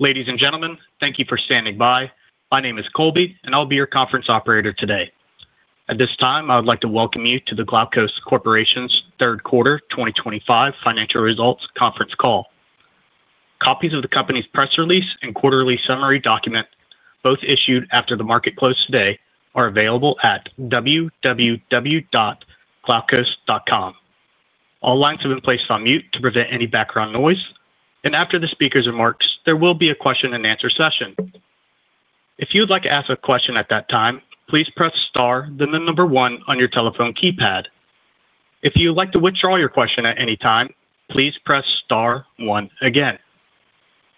Ladies and gentlemen, thank you for standing by. My name is Colby, and I'll be your conference operator today. At this time, I would like to welcome you to the Glaukos Corporation's third quarter 2025 financial results conference call. Copies of the company's press release and quarterly summary document, both issued after the market close today, are available at www.glaukos.com. All lines have been placed on mute to prevent any background noise, and after the speaker's remarks, there will be a question and answer session. If you would like to ask a question at that time, please press star, then the number one on your telephone keypad. If you would like to withdraw your question at any time, please press star one again.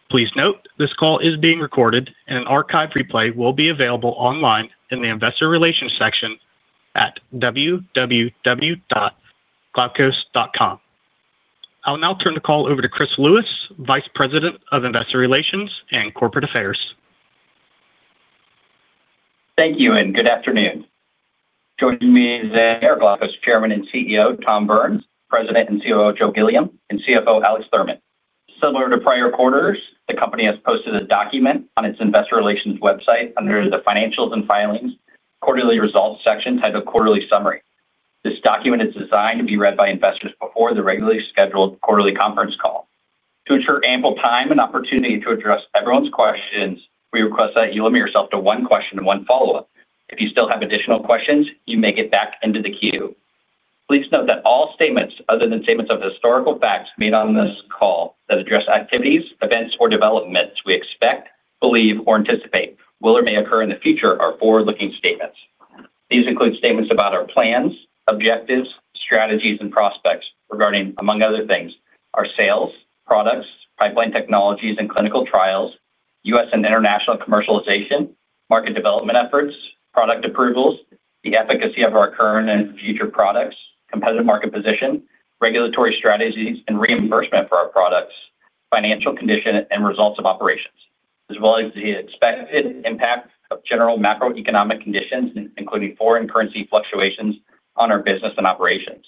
Please note, this call is being recorded, and an archived replay will be available online in the Investor Relations section at www.glaukos.com. I will now turn the call over to Chris Lewis, Vice President of Investor Relations and Corporate Affairs. Thank you, and good afternoon. Joining me today are Glaukos Chairman and CEO, Tom Burns, President and COO, Joe Gilliam, and CFO, Alex Thurman. Similar to prior quarters, the company has posted a document on its Investor Relations website under the Financials and Filings Quarterly Results section titled Quarterly Summary. This document is designed to be read by investors before the regularly scheduled quarterly conference call. To ensure ample time and opportunity to address everyone's questions, we request that you limit yourself to one question and one follow-up. If you still have additional questions, you may get back into the queue. Please note that all statements, other than statements of historical facts made on this call, that address activities, events, or developments we expect, believe, or anticipate will or may occur in the future are forward-looking statements. These include statements about our plans, objectives, strategies, and prospects regarding, among other things, our sales, products, pipeline technologies, and clinical trials, U.S. and international commercialization, market development efforts, product approvals, the efficacy of our current and future products, competitive market position, regulatory strategies, and reimbursement for our products, financial condition, and results of operations, as well as the expected impact of general macroeconomic conditions, including foreign currency fluctuations on our business and operations.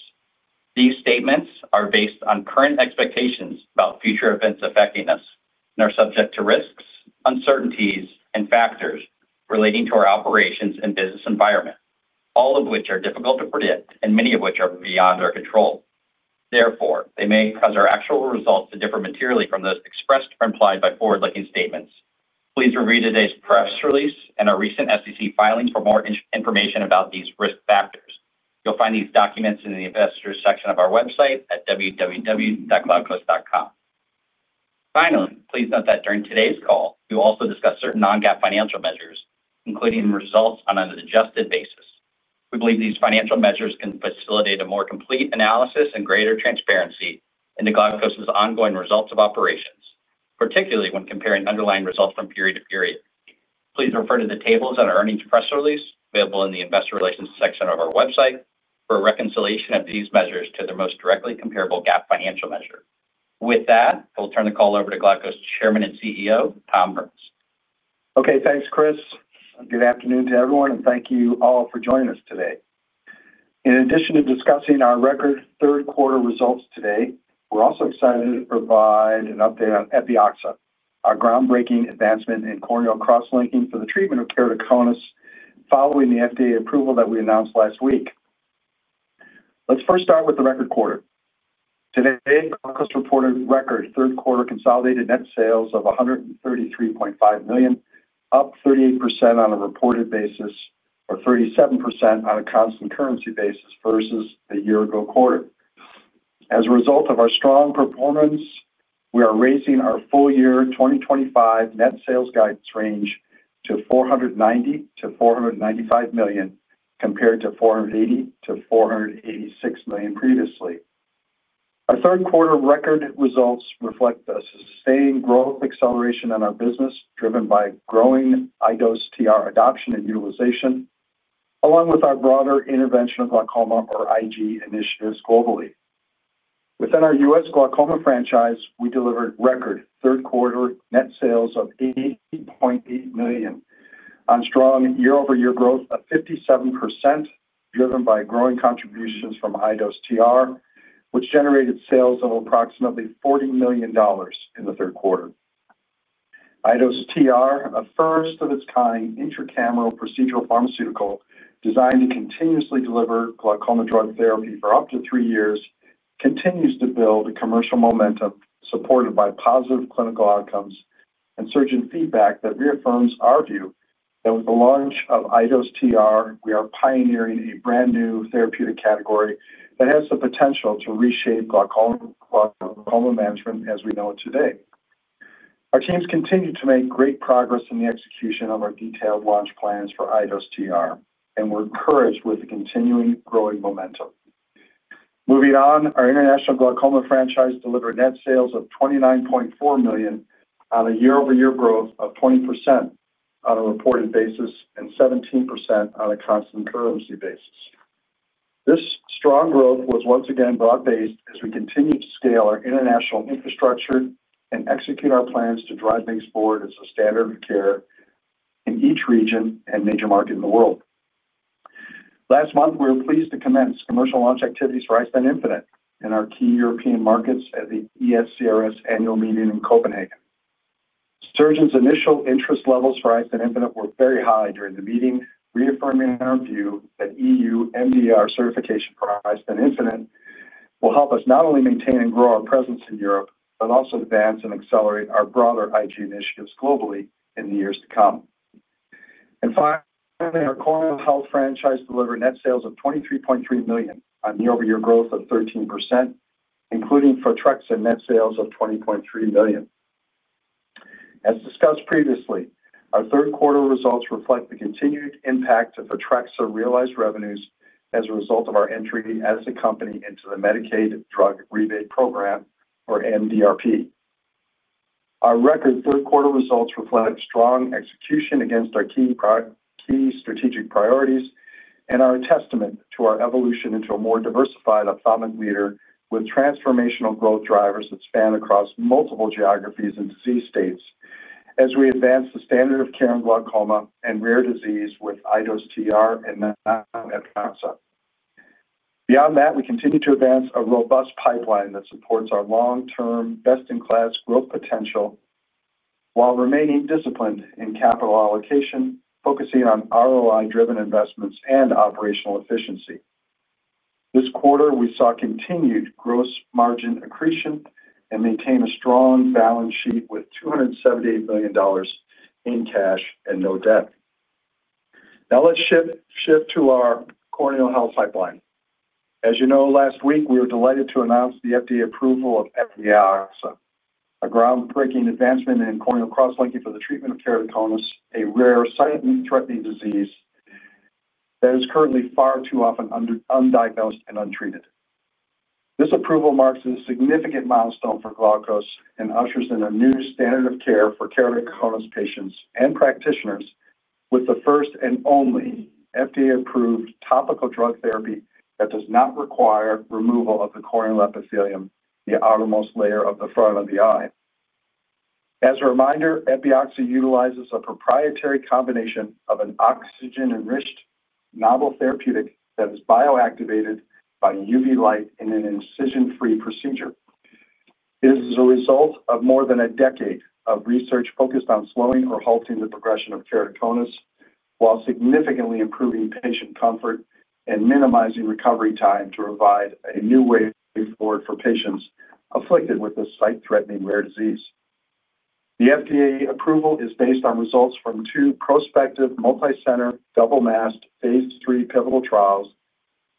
These statements are based on current expectations about future events affecting us and are subject to risks, uncertainties, and factors relating to our operations and business environment, all of which are difficult to predict and many of which are beyond our control. Therefore, they may cause our actual results to differ materially from those expressed or implied by forward-looking statements. Please review today's press release and our recent SEC filings for more information about these risk factors. You'll find these documents in the Investors section of our website at www.glaukos.com. Finally, please note that during today's call, we will also discuss certain non-GAAP financial measures, including results on an adjusted basis. We believe these financial measures can facilitate a more complete analysis and greater transparency in Glaukos' ongoing results of operations, particularly when comparing underlying results from period to period. Please refer to the tables on our earnings press release available in the Investor Relations section of our website for reconciliation of these measures to the most directly comparable GAAP financial measure. With that, I will turn the call over to Glaukos Chairman and CEO, Tom Burns. Okay, thanks, Chris. Good afternoon to everyone, and thank you all for joining us today. In addition to discussing our record third quarter results today, we're also excited to provide an update on Epioxa, our groundbreaking advancement in corneal cross-linking for the treatment of keratoconus following the FDA approval that we announced last week. Let's first start with the record quarter. Today, Glaukos Corporation reported record third quarter consolidated net sales of $133.5 million, up 38% on a reported basis or 37% on a constant currency basis versus the year ago quarter. As a result of our strong performance, we are raising our full year 2025 net sales guidance range to $490 million-$495 million compared to $480 million-$486 million previously. Our third quarter record results reflect a sustained growth acceleration in our business, driven by growing iDose TR adoption and utilization, along with our broader interventional glaucoma, or IG, initiatives globally. Within our U.S. glaucoma franchise, we delivered record third quarter net sales of $80.8 million on strong year-over-year growth of 57%, driven by growing contributions from iDose TR, which generated sales of approximately $40 million in the third quarter. iDose TR, a first of its kind intracameral procedural pharmaceutical designed to continuously deliver glaucoma drug therapy for up to three years, continues to build commercial momentum supported by positive clinical outcomes and surgeon feedback that reaffirms our view that with the launch of iDose TR, we are pioneering a brand new therapeutic category that has the potential to reshape glaucoma management as we know it today. Our teams continue to make great progress in the execution of our detailed launch plans for iDose TR, and we're encouraged with the continuing growing momentum. Moving on, our international glaucoma franchise delivered net sales of $29.4 million on a year-over-year growth of 20% on a reported basis and 17% on a constant currency basis. This strong growth was once again broad-based as we continue to scale our international infrastructure and execute our plans to drive things forward as a standard of care in each region and major market in the world. Last month, we were pleased to commence commercial launch activities for iStent infinite in our key European markets at the ESCRS annual meeting in Copenhagen. Surgeons' initial interest levels for iStent infinite were very high during the meeting, reaffirming our view that EU MDR certification for iStent infinite will help us not only maintain and grow our presence in Europe but also advance and accelerate our broader IG initiatives globally in the years to come. Finally, our corneal health franchise delivered net sales of $23.3 million on year-over-year growth of 13%, including Photrexa net sales of $20.3 million. As discussed previously, our third quarter results reflect the continued impact of Photrexa realized revenues as a result of our entry as a company into the Medicaid Drug Rebate Program, or MDRP. Our record third quarter results reflect strong execution against our key strategic priorities and are a testament to our evolution into a more diversified ophthalmic leader with transformational growth drivers that span across multiple geographies and disease states as we advance the standard of care in glaucoma and rare disease with iDose TR and now Epioxa. Beyond that, we continue to advance a robust pipeline that supports our long-term best-in-class growth potential while remaining disciplined in capital allocation, focusing on ROI-driven investments and operational efficiency. This quarter, we saw continued gross margin accretion and maintain a strong balance sheet with $278 million in cash and no debt. Now let's shift to our corneal health pipeline. As you know, last week, we were delighted to announce the FDA approval of Epioxa, a groundbreaking advancement in corneal cross-linking for the treatment of keratoconus, a rare, silently threatening disease that is currently far too often undiagnosed and untreated. This approval marks a significant milestone for Glaukos and ushers in a new standard of care for keratoconus patients and practitioners with the first and only FDA-approved topical drug therapy that does not require removal of the corneal epithelium, the outermost layer of the front of the eye. As a reminder, Epioxa utilizes a proprietary combination of an oxygen-enriched novel therapeutic that is bioactivated by UV light in an incision-free procedure. This is a result of more than a decade of research focused on slowing or halting the progression of keratoconus while significantly improving patient comfort and minimizing recovery time to provide a new way forward for patients afflicted with this sight-threatening rare disease. The FDA approval is based on results from two prospective multicenter double-masked phase III pivotal trials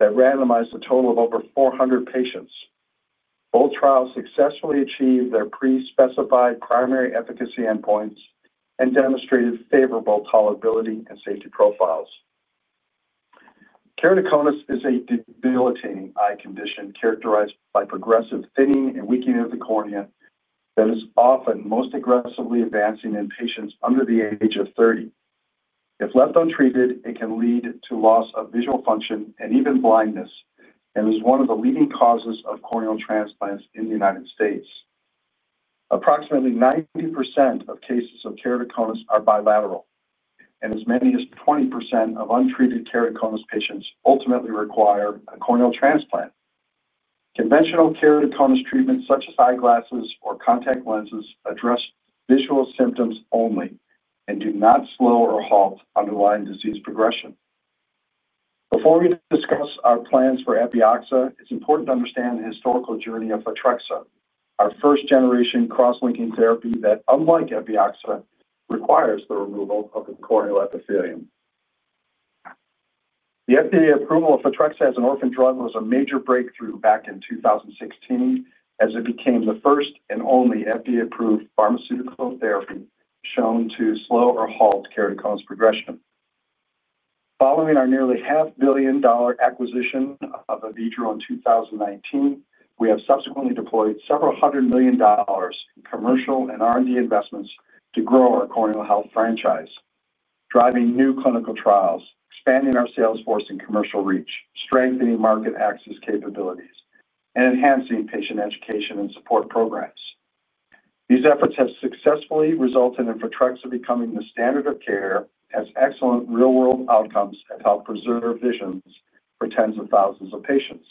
that randomized a total of over 400 patients. Both trials successfully achieved their pre-specified primary efficacy endpoints and demonstrated favorable tolerability and safety profiles. Keratoconus is a debilitating eye condition characterized by progressive thinning and weakening of the cornea that is often most aggressively advancing in patients under the age of 30. If left untreated, it can lead to loss of visual function and even blindness and is one of the leading causes of corneal transplants in the United States. Approximately 90% of cases of keratoconus are bilateral, and as many as 20% of untreated keratoconus patients ultimately require a corneal transplant. Conventional keratoconus treatments such as eyeglasses or contact lenses address visual symptoms only and do not slow or halt underlying disease progression. Before we discuss our plans for Epioxa, it's important to understand the historical journey of Photrexa, our first-generation cross-linking therapy that, unlike Epioxa, requires the removal of the corneal epithelium. The FDA approval of Photrexa as an orphan drug was a major breakthrough back in 2016 as it became the first and only FDA-approved pharmaceutical therapy shown to slow or halt keratoconus progression. Following our nearly $0.5 billion acquisition of Avedro in 2019, we have subsequently deployed several hundred million dollars in commercial and R&D investments to grow our corneal health franchise, driving new clinical trials, expanding our sales force and commercial reach, strengthening market access capabilities, and enhancing patient education and support programs. These efforts have successfully resulted in Photrexa becoming the standard of care as excellent real-world outcomes that help preserve vision for tens of thousands of patients.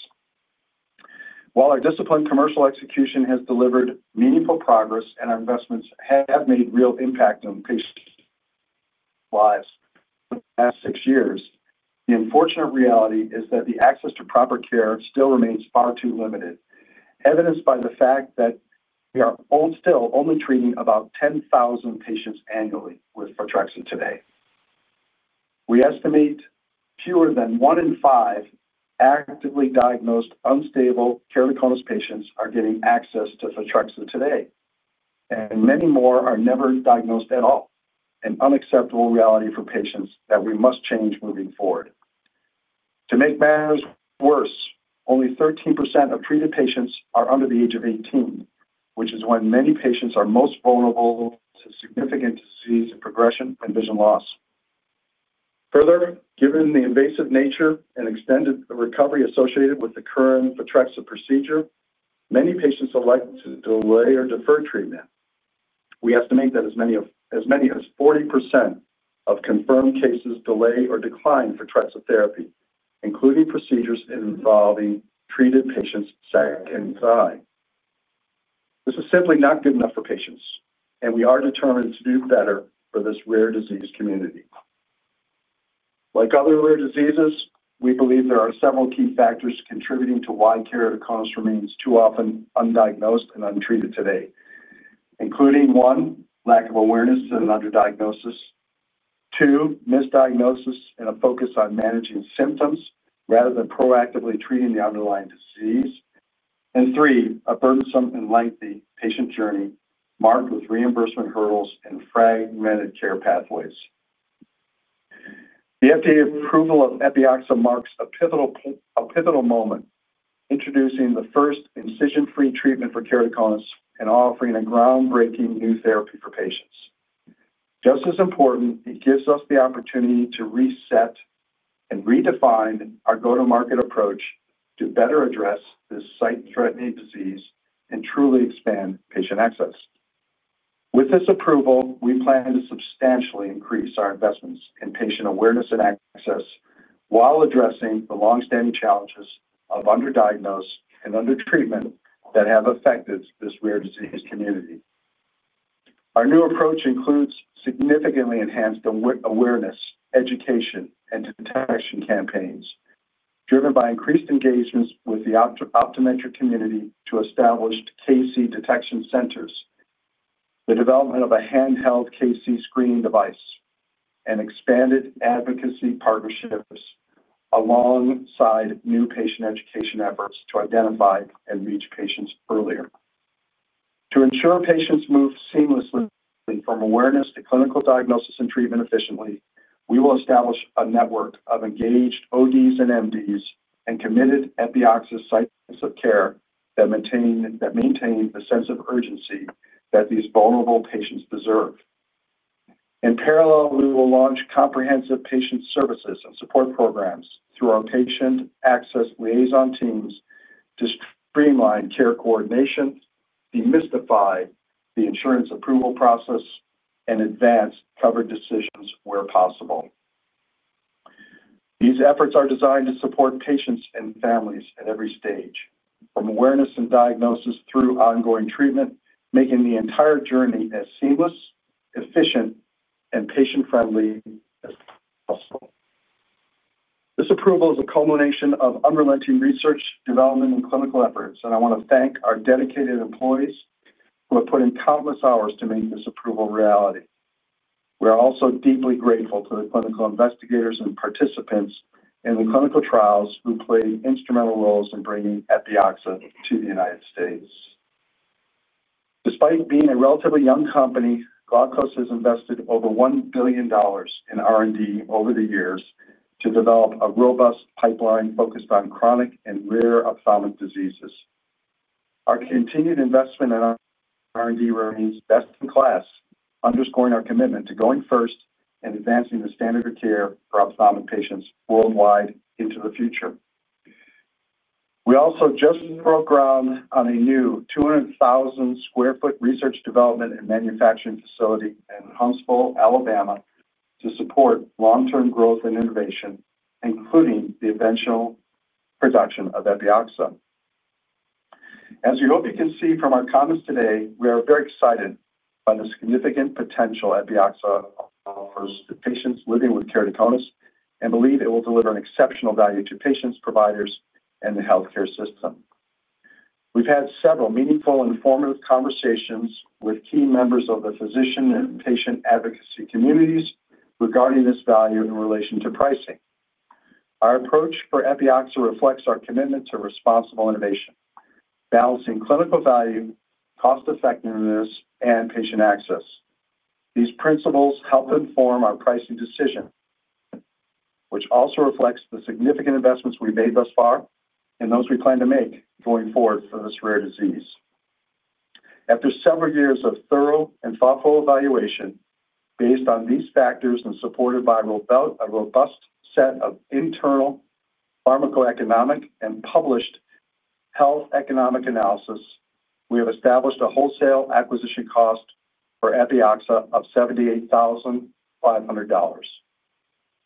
While our disciplined commercial execution has delivered meaningful progress and our investments have made real impact on patient lives for the past six years, the unfortunate reality is that the access to proper care still remains far too limited, evidenced by the fact that we are still only treating about 10,000 patients annually with Photrexa today. We estimate fewer than one in five actively diagnosed unstable keratoconus patients are getting access to Photrexa today, and many more are never diagnosed at all, an unacceptable reality for patients that we must change moving forward. To make matters worse, only 13% of treated patients are under the age of 18, which is when many patients are most vulnerable to significant disease and progression and vision loss. Further, given the invasive nature and extended recovery associated with the current Photrexa procedure, many patients elect to delay or defer treatment. We estimate that as many as 40% of confirmed cases delay or decline Photrexa therapy, including procedures involving treated patients' second eye. This is simply not good enough for patients, and we are determined to do better for this rare disease community. Like other rare diseases, we believe there are several key factors contributing to why keratoconus remains too often undiagnosed and untreated today, including one, lack of awareness and an underdiagnosis; two, misdiagnosis and a focus on managing symptoms rather than proactively treating the underlying disease; and three, a burdensome and lengthy patient journey marked with reimbursement hurdles and fragmented care pathways. The FDA approval of Epioxa marks a pivotal moment, introducing the first incision-free treatment for keratoconus and offering a groundbreaking new therapy for patients. Just as important, it gives us the opportunity to reset and redefine our go-to-market approach to better address this site-threatening disease and truly expand patient access. With this approval, we plan to substantially increase our investments in patient awareness and access while addressing the longstanding challenges of underdiagnosed and under-treatment that have affected this rare disease community. Our new approach includes significantly enhanced awareness, education, and detection campaigns driven by increased engagements with the optometric community to establish KC detection centers, the development of a handheld KC screening device, and expanded advocacy partnerships alongside new patient education efforts to identify and reach patients earlier. To ensure patients move seamlessly from awareness to clinical diagnosis and treatment efficiently, we will establish a network of engaged ODs and MDs and committed Epioxa site of care that maintain the sense of urgency that these vulnerable patients deserve. In parallel, we will launch comprehensive patient services and support programs through our patient access liaison teams to streamline care coordination, demystify the insurance approval process, and advance coverage decisions where possible. These efforts are designed to support patients and families at every stage, from awareness and diagnosis through ongoing treatment, making the entire journey as seamless, efficient, and patient-friendly as possible. This approval is a culmination of unrelenting research, development, and clinical efforts, and I want to thank our dedicated employees who have put in countless hours to make this approval a reality. We are also deeply grateful to the clinical investigators and participants in the clinical trials who played instrumental roles in bringing Epioxa to the United States. Despite being a relatively young company, Glaukos has invested over $1 billion in R&D over the years to develop a robust pipeline focused on chronic and rare ophthalmic diseases. Our continued investment in R&D remains best in class, underscoring our commitment to going first and advancing the standard of care for ophthalmic patients worldwide into the future. We also just broke ground on a new 200,000 sq ft research, development, and manufacturing facility in Huntsville, Alabama, to support long-term growth and innovation, including the eventual production of Epioxa. As you hope you can see from our comments today, we are very excited by the significant potential Epioxa offers to patients living with keratoconus and believe it will deliver exceptional value to patients, providers, and the healthcare system. We've had several meaningful and informative conversations with key members of the physician and patient advocacy communities regarding this value in relation to pricing. Our approach for Epioxa reflects our commitment to responsible innovation, balancing clinical value, cost-effectiveness, and patient access. These principles help inform our pricing decision, which also reflects the significant investments we've made thus far and those we plan to make going forward for this rare disease. After several years of thorough and thoughtful evaluation based on these factors and supported by a robust set of internal pharmacoeconomic and published health economic analysis, we have established a wholesale acquisition cost for Epioxa of $78,500,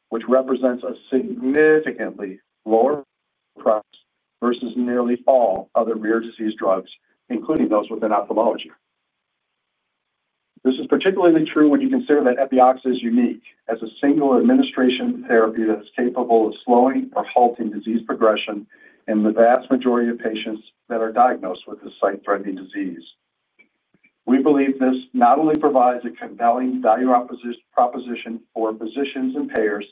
which represents a significantly lower price versus nearly all other rare disease drugs, including those within ophthalmology. This is particularly true when you consider that Epioxa is unique as a single administration therapy that is capable of slowing or halting disease progression in the vast majority of patients that are diagnosed with this site-threatening disease. We believe this not only provides a compelling value proposition for physicians and payers,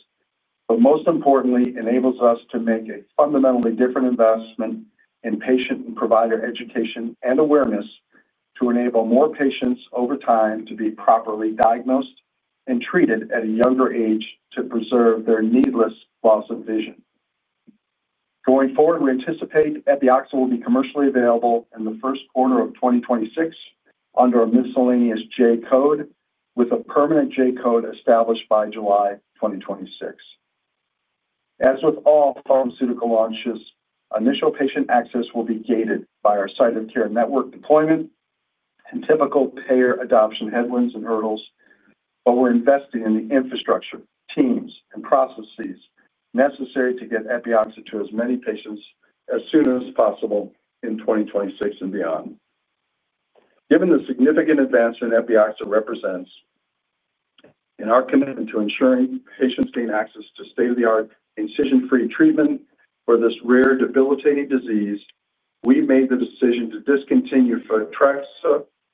but most importantly, enables us to make a fundamentally different investment in patient and provider education and awareness to enable more patients over time to be properly diagnosed and treated at a younger age to preserve their needless loss of vision. Going forward, we anticipate Epioxa will be commercially available in the first quarter of 2026 under a miscellaneous J code with a permanent J code established by July 2026. As with all pharmaceutical launches, initial patient access will be gated by our site of care network deployment and typical payer adoption headwinds and hurdles, but we're investing in the infrastructure, teams, and processes necessary to get Epioxa to as many patients as soon as possible in 2026 and beyond. Given the significant advance that Epioxa represents in our commitment to ensuring patients gain access to state-of-the-art incision-free treatment for this rare debilitating disease, we made the decision to discontinue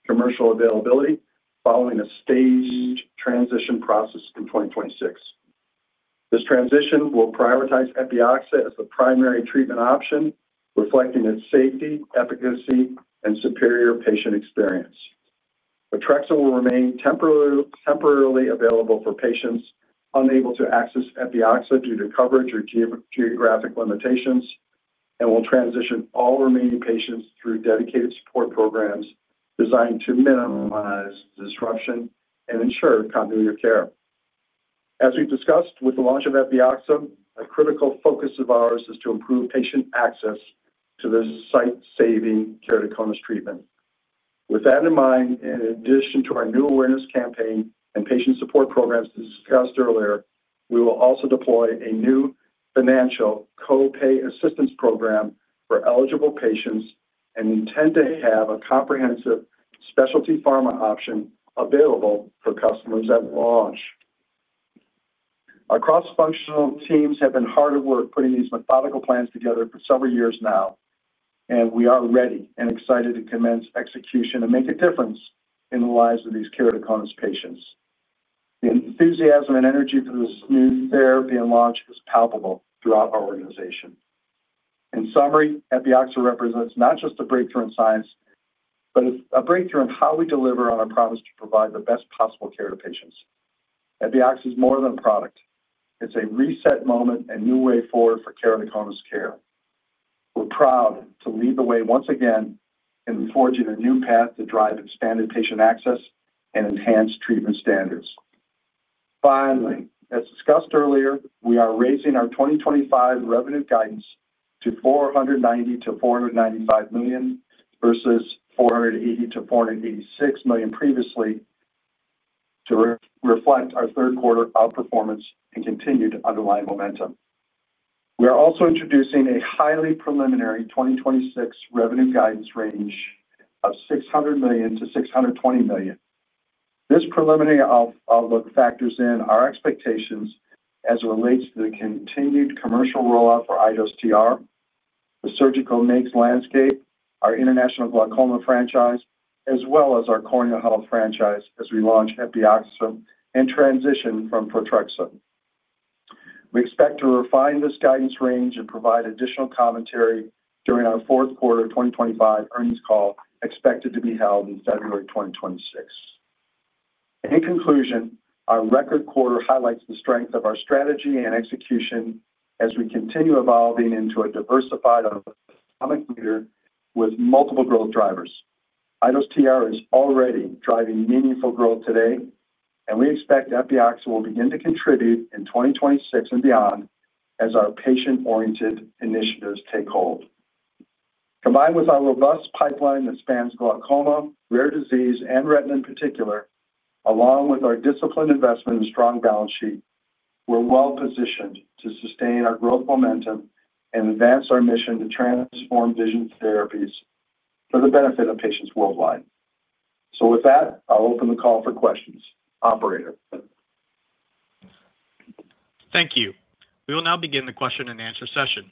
Photrexa commercial availability following a staged transition process in 2026. This transition will prioritize Epioxa as the primary treatment option, reflecting its safety, efficacy, and superior patient experience. Photrexa will remain temporarily available for patients unable to access Epioxa due to coverage or geographic limitations and will transition all remaining patients through dedicated support programs designed to minimize disruption and ensure continuity of care. As we've discussed with the launch of Epioxa, a critical focus of ours is to improve patient access to this site-saving keratoconus treatment. With that in mind, in addition to our new awareness campaign and patient support programs discussed earlier, we will also deploy a new financial copay assistance program for eligible patients and intend to have a comprehensive specialty pharma option available for customers at launch. Our cross-functional teams have been hard at work putting these methodical plans together for several years now, and we are ready and excited to commence execution and make a difference in the lives of these keratoconus patients. The enthusiasm and energy for this new therapy and launch is palpable throughout our organization. In summary, Epioxa represents not just a breakthrough in science, but a breakthrough in how we deliver on our promise to provide the best possible care to patients. Epioxa is more than a product. It's a reset moment and new way forward for keratoconus care. We're proud to lead the way once again in forging a new path to drive expanded patient access and enhanced treatment standards. Finally, as discussed earlier, we are raising our 2025 revenue guidance to $490 million-$495 million versus $480 millio-$486 million previously to reflect our third quarter outperformance and continued underlying momentum. We are also introducing a highly preliminary 2026 revenue guidance range of $600 million-$620 million. This preliminary outlook factors in our expectations as it relates to the continued commercial rollout for iDose TR, the surgical MIGS landscape, our international glaucoma franchise, as well as our corneal health franchise as we launch Epioxa and transition from Photrexa. We expect to refine this guidance range and provide additional commentary during our fourth quarter 2025 earnings call expected to be held in February 2026. In conclusion, our record quarter highlights the strength of our strategy and execution as we continue evolving into a diversified ophthalmic leader with multiple growth drivers. iDose TR is already driving meaningful growth today, and we expect Epioxa will begin to contribute in 2026 and beyond as our patient-oriented initiatives take hold. Combined with our robust pipeline that spans glaucoma, rare disease, and retina in particular, along with our disciplined investment and strong balance sheet, we're well positioned to sustain our growth momentum and advance our mission to transform vision therapies for the benefit of patients worldwide. With that, I'll open the call for questions. Operator. Thank you. We will now begin the question-and-answer session.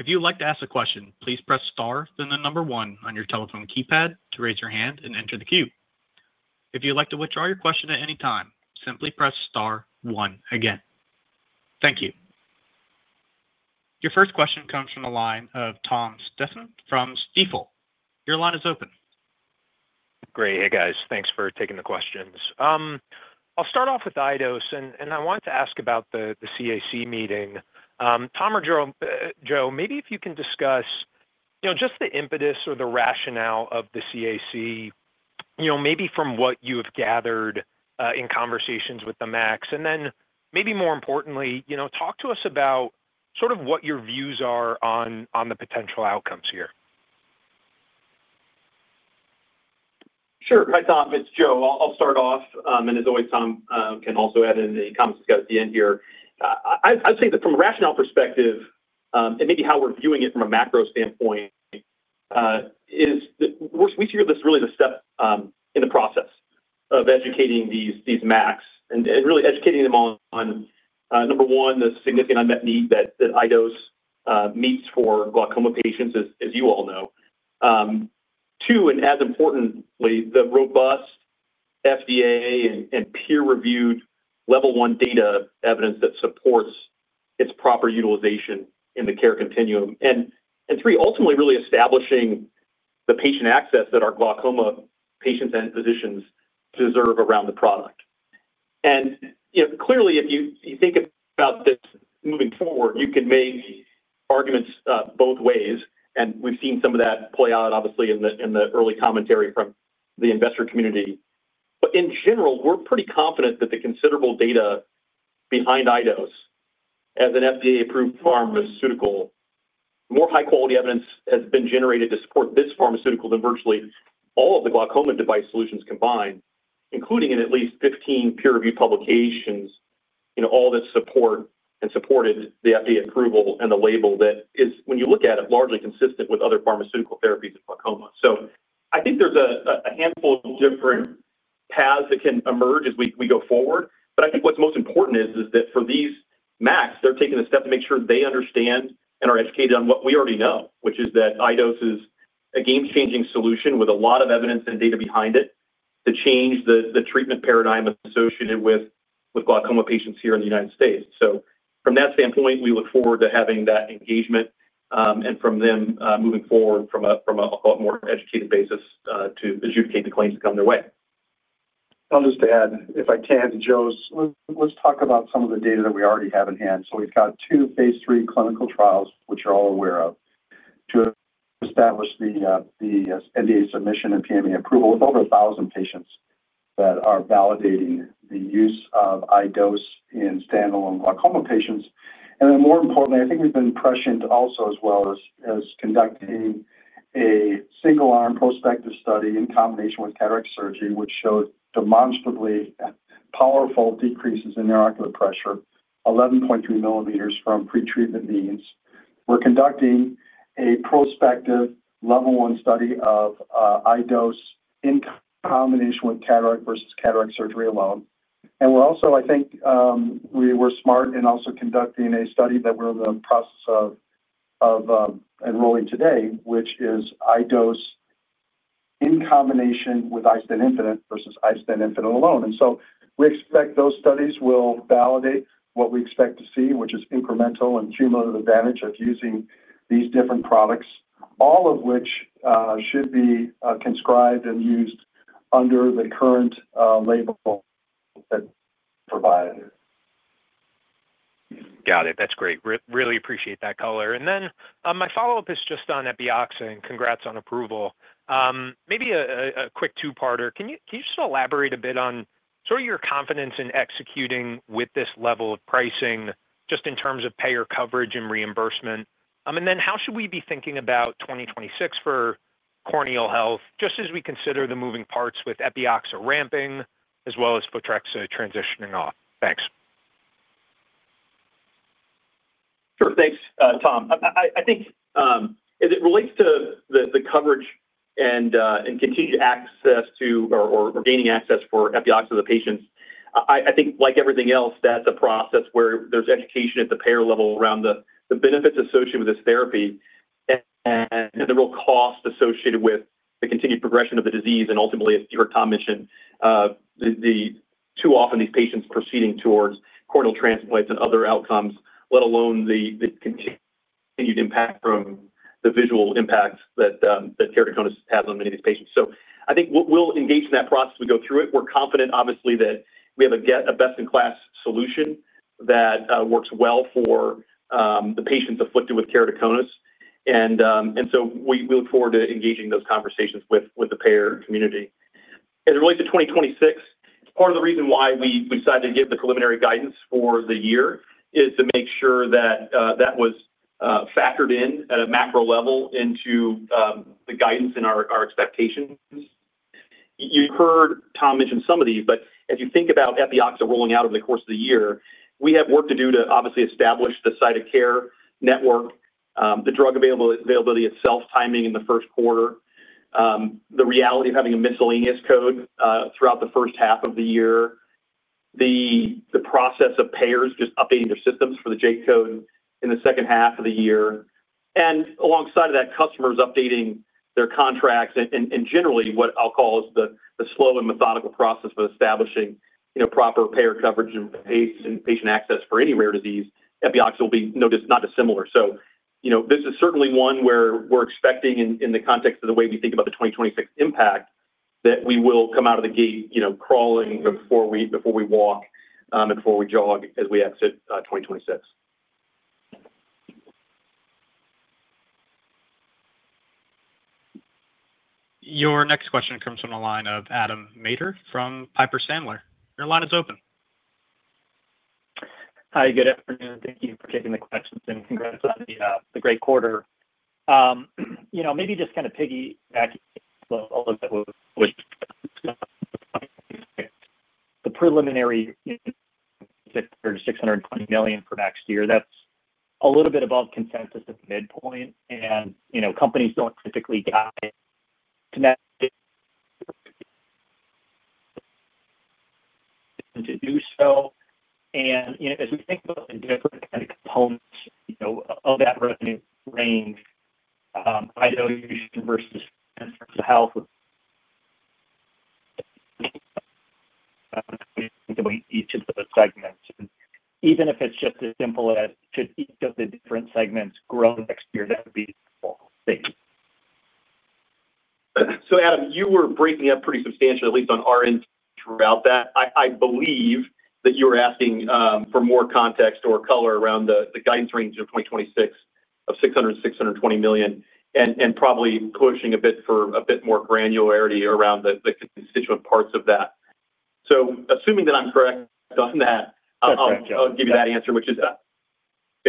If you would like to ask a question, please press star then the number one on your telephone keypad to raise your hand and enter the queue. If you would like to withdraw your question at any time, simply press star one again. Thank you. Your first question comes from a line of Tom Stephan from Stifel. Your line is open. Great. Hey, guys. Thanks for taking the questions. I'll start off with iDose, and I wanted to ask about the CAC meeting. Tom or Joe, maybe if you can discuss the impetus or the rationale of the CAC, maybe from what you have gathered in conversations with the MACs, and then more importantly, talk to us about what your views are on the potential outcomes here. Sure. Hi, Tom. It's Joe. I'll start off, and as always, Tom can also add in the comments discussed at the end here. I'd say that from a rationale perspective and maybe how we're viewing it from a macro standpoint is we see this really as a step in the process of educating these MACs and really educating them on, number one, the significant unmet need that iDose meets for glaucoma patients, as you all know. Two, and as importantly, the robust FDA and peer-reviewed level one data evidence that supports its proper utilization in the care continuum. Three, ultimately really establishing the patient access that our glaucoma patients and physicians deserve around the product. Clearly, if you think about this moving forward, you can make arguments both ways, and we've seen some of that play out, obviously, in the early commentary from the investor community. In general, we're pretty confident that the considerable data behind iDose as an FDA-approved pharmaceutical, more high-quality evidence has been generated to support this pharmaceutical than virtually all of the glaucoma device solutions combined, including in at least 15 peer-reviewed publications, all that support and supported the FDA approval and the label that is, when you look at it, largely consistent with other pharmaceutical therapies in glaucoma. I think there's a handful of different paths that can emerge as we go forward. I think what's most important is that for these MACs, they're taking the step to make sure they understand and are educated on what we already know, which is that iDose is a game-changing solution with a lot of evidence and data behind it to change the treatment paradigm associated with glaucoma patients here in the United States. From that standpoint, we look forward to having that engagement and from them moving forward from a more educated basis to adjudicate the claims that come their way. I'll just add, if I can, to Joe's, let's talk about some of the data that we already have in hand. We've got two phase III clinical trials, which you're all aware of, to establish the NDA submission and PME approval with over 1,000 patients that are validating the use of iDose in standalone glaucoma patients. More importantly, I think we've been prescient also as well as conducting a single-arm prospective study in combination with cataract surgery, which showed demonstrably powerful decreases in intraocular pressure, 11.3 mm from pretreatment means. We're conducting a prospective level one study of iDose in combination with cataract versus cataract surgery alone. I think we were smart in also conducting a study that we're in the process of enrolling today, which is iDose in combination with iStent infinite versus iStent infinite alone. We expect those studies will validate what we expect to see, which is incremental and cumulative advantage of using these different products, all of which should be conscribed and used under the current label that's provided. Got it. That's great. Really appreciate that color.. My follow-up is just on Epioxa, and congrats on approval. Maybe a quick two-parter. Can you just elaborate a bit on sort of your confidence in executing with this level of pricing in terms of payer coverage and reimbursement? How should we be thinking about 2026 for corneal health, just as we consider the moving parts with Epioxa ramping as well as Photrexa transitioning off? Thanks. Sure. Thanks, Tom. I think as it relates to the coverage and continued access to or gaining access for Epioxa to the patients, I think, like everything else, that's a process where there's education at the payer level around the benefits associated with this therapy and the real cost associated with the continued progression of the disease. Ultimately, as you heard Tom mention, too often these patients proceeding towards corneal transplants and other outcomes, let alone the continued impact from the visual impacts that keratoconus has on many of these patients. I think we'll engage in that process as we go through it. We're confident, obviously, that we have a best-in-class solution that works well for the patients afflicted with keratoconus. We look forward to engaging in those conversations with the payer community. As it relates to 2026, part of the reason why we decided to give the preliminary guidance for the year is to make sure that that was factored in at a macro level into the guidance and our expectations. You've heard Tom mention some of these, but as you think about Epioxa rolling out over the course of the year, we have work to do to obviously establish the site of care network, the drug availability itself, timing in the first quarter, the reality of having a miscellaneous code throughout the first half of the year, the process of payers just updating their systems for the J code in the second half of the year. Alongside that, customers updating their contracts. Generally, what I'll call is the slow and methodical process for establishing proper payer coverage and patient access for any rare disease, Epioxa will be not dissimilar. This is certainly one where we're expecting, in the context of the way we think about the 2026 impact, that we will come out of the gate crawling before we walk and before we jog as we exit 2026. Your next question comes from a line of Adam Maeder from Piper Sandler. Your line is open. Hi. Good afternoon. Thank you for taking the questions, and congrats on the great quarter. Maybe just kind of piggybacking a little bit with the preliminary $600 million-$620 million for next year, that's a little bit above consensus at the midpoint. Companies don't typically dive to do so. As we think about the different kind of components of that revenue range, iDose versus iStent infinite, we think about each of those segments. Even if it's just as simple as, should each of the different segments grow next year, that would be a false statement. Adam, you were breaking up pretty substantially, at least on our end, throughout that. I believe that you were asking for more context or color around the guidance range of 2026 of $600 million-$620 million and probably pushing a bit for a bit more granularity around the constituent parts of that. Assuming that I'm correct on that, I'll give you that answer, which is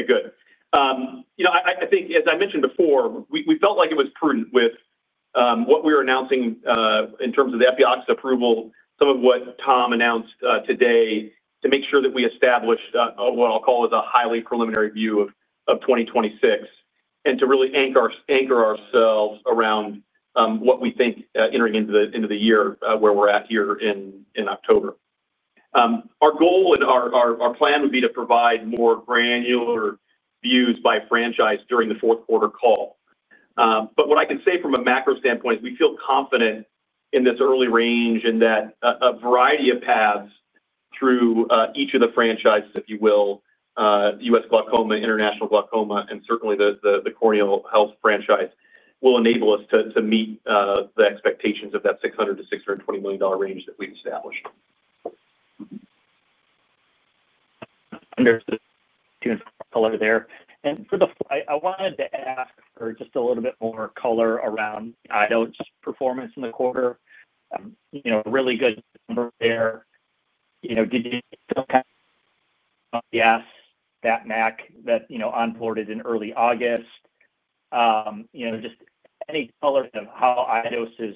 good. I think, as I mentioned before, we felt like it was prudent with what we were announcing in terms of the Epioxa approval, some of what Tom announced today to make sure that we establish what I'll call a highly preliminary view of 2026 and to really anchor ourselves around what we think entering into the year where we're at here in October. Our goal and our plan would be to provide more granular views by franchise during the fourth quarter call. What I can say from a macro standpoint is we feel confident in this early range and that a variety of paths through each of the franchises, if you will, U.S. glaucoma, international glaucoma, and certainly the corneal health franchise will enable us to meet the expectations of that $600 million-$620 million range that we've established. Understood. Giving some more color there. For the, I wanted to ask for just a little bit more color around iDose's performance in the quarter. Really good number there. Did you still have the ASC that, you know, onboarded in early August? Just any color of how iDose is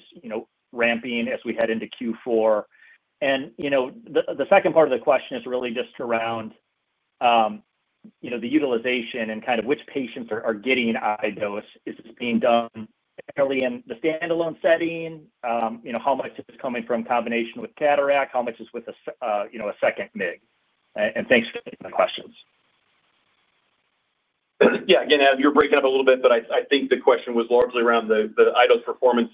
ramping as we head into Q4. The second part of the question is really just around the utilization and kind of which patients are getting iDose. Is this being done early in the standalone setting? How much is coming from a combination with cataract? How much is with a second MIGS? Thanks for the questions. Yeah. Again, as you're breaking up a little bit, but I think the question was largely around the iDose performance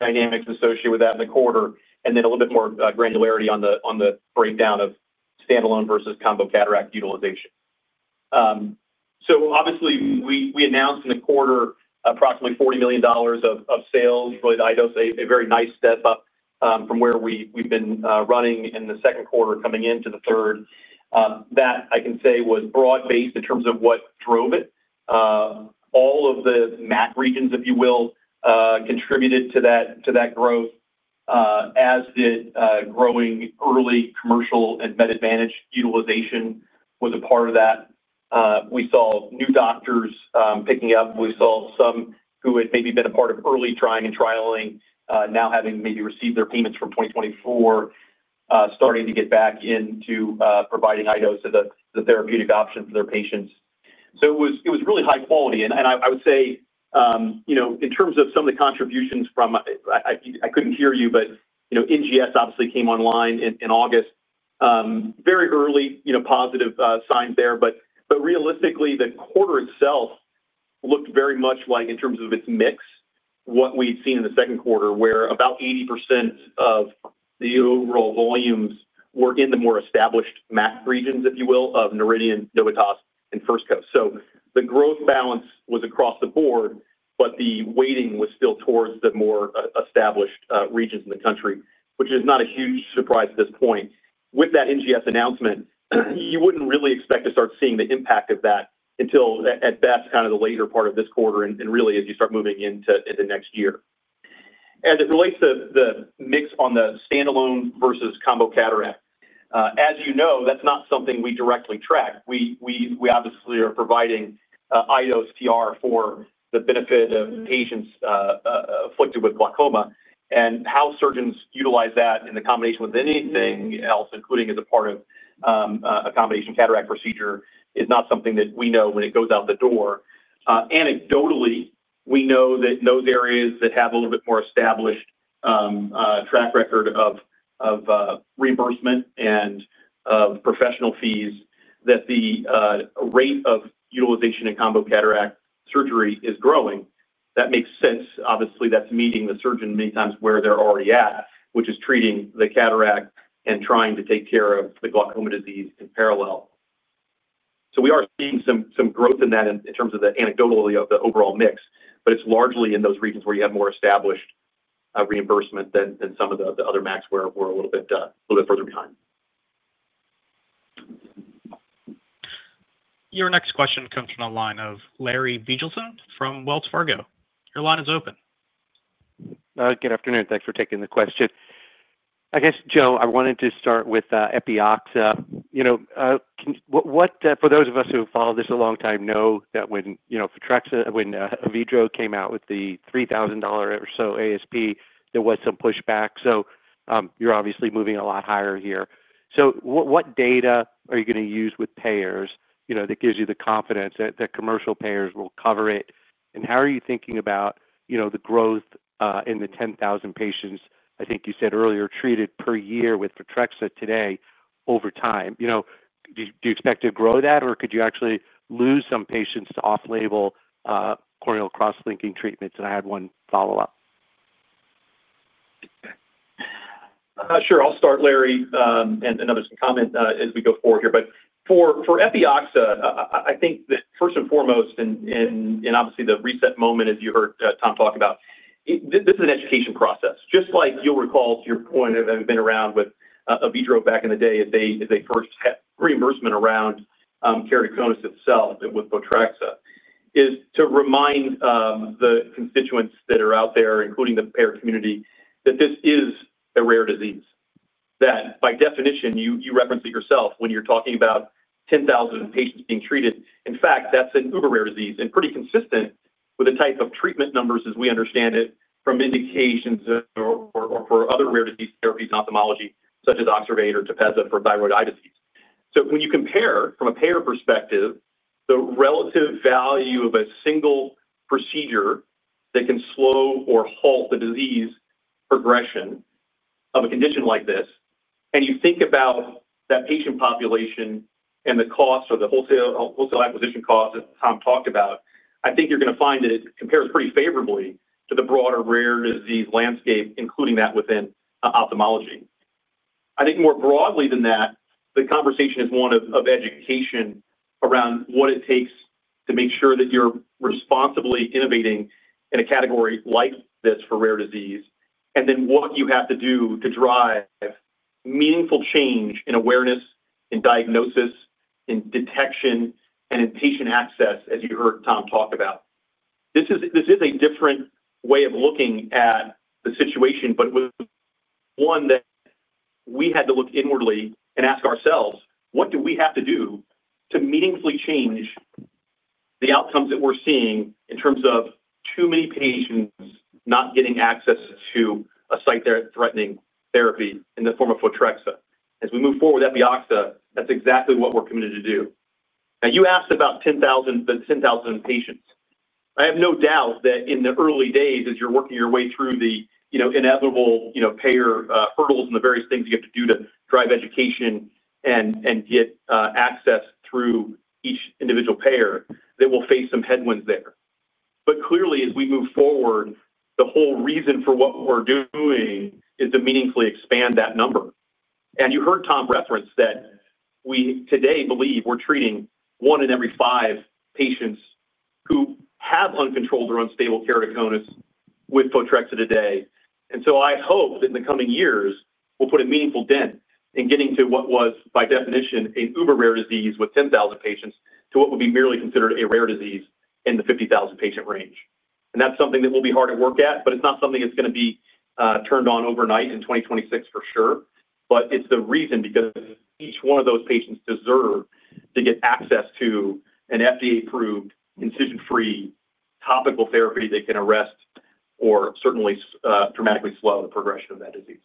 dynamics associated with that in the quarter and then a little bit more granularity on the breakdown of standalone versus combo cataract utilization. Obviously, we announced in the quarter approximately $40 million of sales, really the iDose, a very nice step up from where we've been running in the second quarter coming into the third. That, I can say, was broad-based in terms of what drove it. All of the MAC regions, if you will, contributed to that growth, as did growing early commercial and med-advantaged utilization was a part of that. We saw new doctors picking up. We saw some who had maybe been a part of early trying and trialing, now having maybe received their payments from 2024, starting to get back into providing iDose as a therapeutic option for their patients. It was really high quality. I would say, you know, in terms of some of the contributions from, I couldn't hear you, but you know, NGS obviously came online in August. Very early, you know, positive signs there. Realistically, the quarter itself looked very much like in terms of its mix what we'd seen in the second quarter, where about 80% of the overall volumes were in the more established MAC regions, if you will, of Noridian, Novitas, and First Coast. The growth balance was across the board, but the weighting was still towards the more established regions in the country, which is not a huge surprise at this point. With that NGS announcement, you wouldn't really expect to start seeing the impact of that until at best kind of the later part of this quarter and really as you start moving into next year. As it relates to the mix on the standalone versus combo cataract, as you know, that's not something we directly track. We obviously are providing iDose TR for the benefit of patients afflicted with glaucoma. How surgeons utilize that in the combination with anything else, including as a part of a combination cataract procedure, is not something that we know when it goes out the door. Anecdotally, we know that in those areas that have a little bit more established track record of reimbursement and of professional fees, the rate of utilization in combo cataract surgery is growing. That makes sense. Obviously, that's meeting the surgeon many times where they're already at, which is treating the cataract and trying to take care of the glaucoma disease in parallel. We are seeing some growth in that in terms of the anecdotal of the overall mix, but it's largely in those regions where you have more established reimbursement than some of the other MACs where we're a little bit further behind. Your next question comes from a line of Larry Larry Biegelsen from Wells Fargo. Your line is open. Good afternoon. Thanks for taking the question. I guess, Joe, I wanted to start with Epioxa. For those of us who have followed this a long time know that when, you know, Photrexa, when Avedro came out with the $3,000 or so ASP, there was some pushback. You're obviously moving a lot higher here. What data are you going to use with payers that gives you the confidence that commercial payers will cover it? How are you thinking about the growth in the 10,000 patients, I think you said earlier, treated per year with Photrexa today over time? Do you expect to grow that, or could you actually lose some patients to off-label corneal cross-linking treatments? I had one follow-up. Sure. I'll start, Larry, and another comment as we go forward here. For Epioxa, I think that first and foremost, and obviously the reset moment, as you heard Tom talk about, this is an education process. Just like you'll recall to your point of having been around with Avedro back in the day as they first had reimbursement around keratoconus itself with Photrexa, is to remind the constituents that are out there, including the payer community, that this is a rare disease. That by definition, you referenced it yourself when you're talking about 10,000 patients being treated. In fact, that's an uber-rare disease and pretty consistent with the type of treatment numbers as we understand it from indications or for other rare disease therapies in ophthalmology, such as oxybate or Tepezza for thyroid eye disease. When you compare from a payer perspective the relative value of a single procedure that can slow or halt the disease progression of a condition like this, and you think about that patient population and the cost or the wholesale acquisition cost that Tom talked about, I think you're going to find that it compares pretty favorably to the broader rare disease landscape, including that within ophthalmology. I think more broadly than that, the conversation is one of education around what it takes to make sure that you're responsibly innovating in a category like this for rare disease, and then what you have to do to drive meaningful change in awareness, in diagnosis, in detection, and in patient access, as you heard Tom talk about. This is a different way of looking at the situation, but it was one that we had to look inwardly and ask ourselves, what do we have to do to meaningfully change the outcomes that we're seeing in terms of too many patients not getting access to a sight-threatening therapy in the form of Photrexa? As we move forward with Epioxa, that's exactly what we're committed to do. Now, you asked about 10,000 patients. I have no doubt that in the early days, as you're working your way through the inevitable payer hurdles and the various things you have to do to drive education and get access through each individual payer, that we'll face some headwinds there. Clearly, as we move forward, the whole reason for what we're doing is to meaningfully expand that number. You heard Tom reference that we today believe we're treating one in every five patients who have uncontrolled or unstable keratoconus with Photrexa today. I hope that in the coming years, we'll put a meaningful dent in getting to what was by definition an uber-rare disease with 10,000 patients to what would be merely considered a rare disease in the 50,000 patient range. That's something that we'll be hard at work at, but it's not something that's going to be turned on overnight in 2026 for sure. It's the reason because each one of those patients deserves to get access to an FDA-approved, incision-free topical therapy that can arrest or certainly dramatically slow the progression of that disease.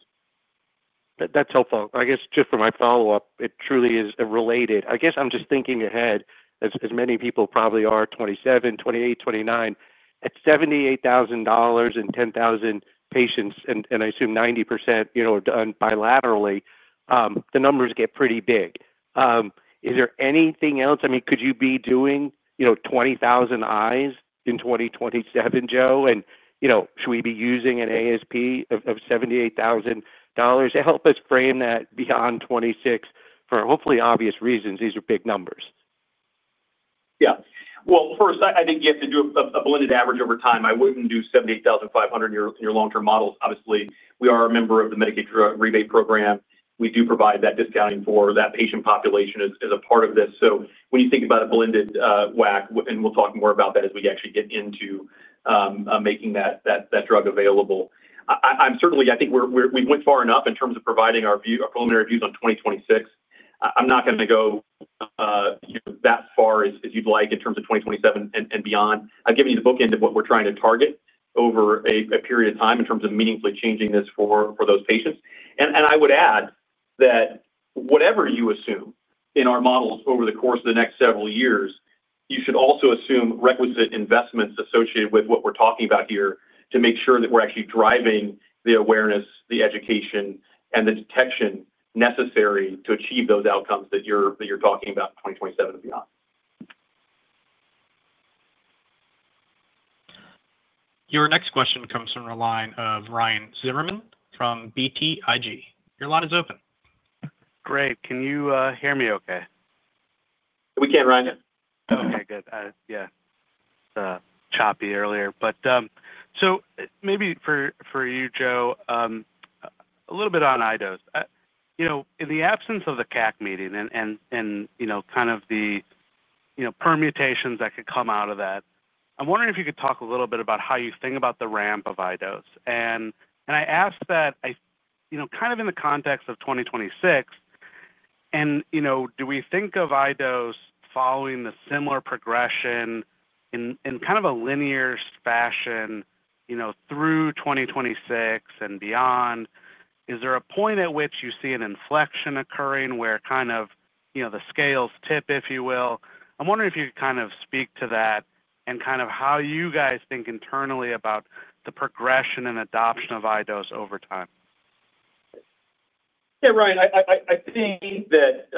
That's helpful. I guess just for my follow-up, it truly is related. I guess I'm just thinking ahead, as many people probably are, 2027, 2028, 2029, at $78,000 in 10,000 patients, and I assume 90% are done bilaterally, the numbers get pretty big. Is there anything else? I mean, could you be doing 20,000 eyes in 2027, Joe? Should we be using an ASP of $78,000 to help us frame that beyond 2026 for hopefully obvious reasons? These are big numbers. First, I think you have to do a blended average over time. I wouldn't do $78,500 in your long-term models, obviously. We are a member of the Medicaid Drug Rebate Program. We do provide that discounting for that patient population as a part of this. When you think about a blended WAC, and we'll talk more about that as we actually get into making that drug available. I'm certainly, I think we went far enough in terms of providing our preliminary views on 2026. I'm not going to go that far as you'd like in terms of 2027 and beyond. I've given you the bookend of what we're trying to target over a period of time in terms of meaningfully changing this for those patients. I would add that whatever you assume in our models over the course of the next several years, you should also assume requisite investments associated with what we're talking about here to make sure that we're actually driving the awareness, the education, and the detection necessary to achieve those outcomes that you're talking about in 2027 and beyond. Your next question comes from a line of Ryan Zimmerman from BTIG. Your line is open. Great. Can you hear me okay? We can, Ryan. Okay, good. Choppy earlier. Maybe for you, Joe, a little bit on iDose. In the absence of the CAC meeting and, you know, kind of the permutations that could come out of that, I'm wondering if you could talk a little bit about how you think about the ramp of iDose. I ask that, you know, kind of in the context of 2026. Do we think of iDose following the similar progression in kind of a linear fashion through 2026 and beyond? Is there a point at which you see an inflection occurring where, you know, the scales tip, if you will? I'm wondering if you could kind of speak to that and how you guys think internally about the progression and adoption of iDose over time. Yeah, Ryan, I think that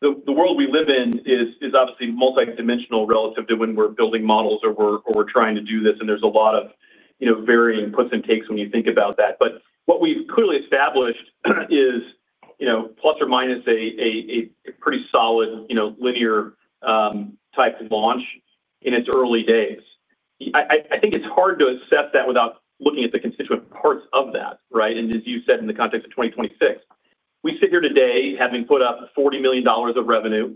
the world we live in is obviously multidimensional relative to when we're building models or we're trying to do this. There's a lot of varying puts and takes when you think about that. What we've clearly established is plus or minus a pretty solid linear type of launch in its early days. I think it's hard to assess that without looking at the constituent parts of that, right? As you said, in the context of 2026, we sit here today having put up $40 million of revenue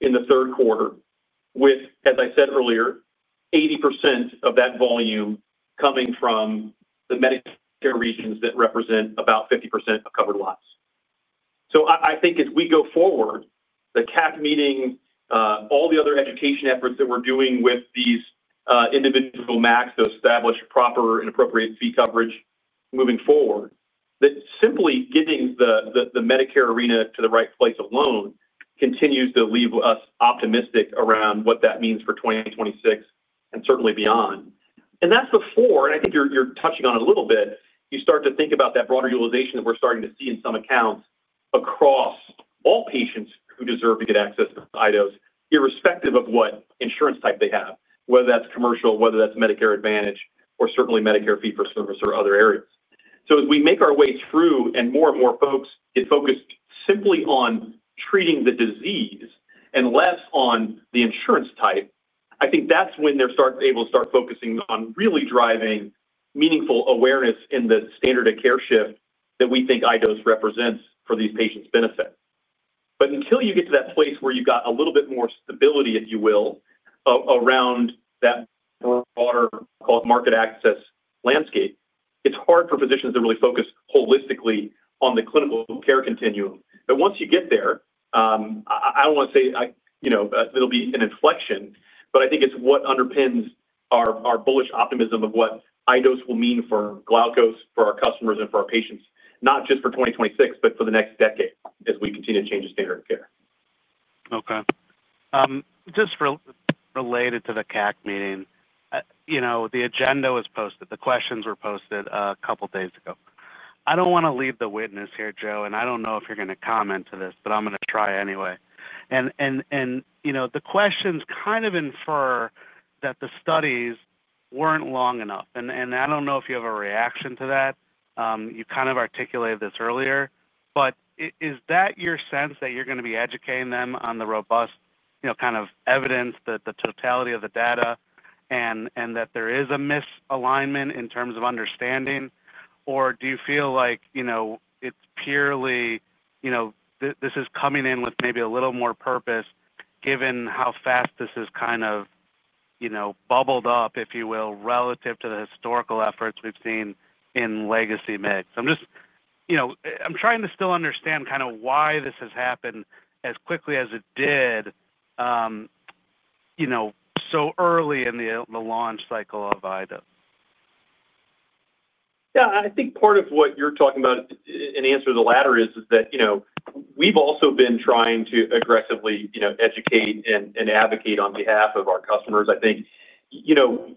in the third quarter with, as I said earlier, 80% of that volume coming from the Medicare regions that represent about 50% of covered lines. I think as we go forward, the CAC meeting, all the other education efforts that we're doing with these individual MACs to establish proper and appropriate fee coverage moving forward, that simply getting the Medicare arena to the right place alone continues to leave us optimistic around what that means for 2026 and certainly beyond. That's before, and I think you're touching on it a little bit, you start to think about that broader utilization that we're starting to see in some accounts across all patients who deserve to get access to iDose, irrespective of what insurance type they have, whether that's commercial, whether that's Medicare Advantage, or certainly Medicare fee-for-service or other areas. As we make our way through and more and more folks get focused simply on treating the disease and less on the insurance type, I think that's when they're able to start focusing on really driving meaningful awareness in the standard of care shift that we think iDose represents for these patients' benefit. Until you get to that place where you've got a little bit more stability, if you will, around that broader cost-market access landscape, it's hard for physicians to really focus holistically on the clinical care continuum. Once you get there, I don't want to say there'll be an inflection, but I think it's what underpins our bullish optimism of what iDose will mean for Glaukos, for our customers, and for our patients, not just for 2026, but for the next decade as we continue to change the standard of care. Okay. Just related to the CAC meeting, the agenda was posted. The questions were posted a couple of days ago. I don't want to lead the witness here, Joe, and I don't know if you're going to comment to this, but I'm going to try anyway. The questions kind of infer that the studies weren't long enough. I don't know if you have a reaction to that. You kind of articulated this earlier, but is that your sense that you're going to be educating them on the robust evidence, the totality of the data, and that there is a misalignment in terms of understanding? Do you feel like it's purely, you know, this is coming in with maybe a little more purpose given how fast this has kind of bubbled up, if you will, relative to the historical efforts we've seen in legacy MIGS devices? I'm just trying to still understand kind of why this has happened as quickly as it did, so early in the launch cycle of iDose. Yeah, I think part of what you're talking about in answer to the latter is that we've also been trying to aggressively educate and advocate on behalf of our customers. I think if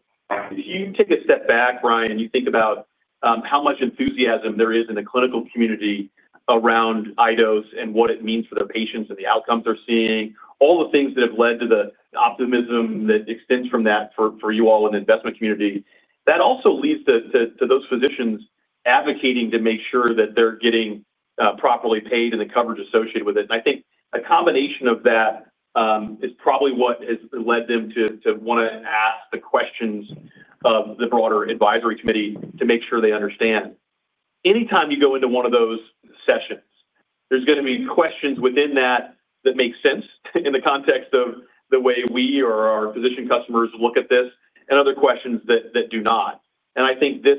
you take a step back, Ryan, and you think about how much enthusiasm there is in the clinical community around iDose and what it means for their patients and the outcomes they're seeing, all the things that have led to the optimism that extends from that for you all in the investment community, that also leads to those physicians advocating to make sure that they're getting properly paid and the coverage associated with it. I think a combination of that is probably what has led them to want to ask the questions of the broader advisory committee to make sure they understand. Anytime you go into one of those sessions, there's going to be questions within that that make sense in the context of the way we or our physician customers look at this and other questions that do not. I think this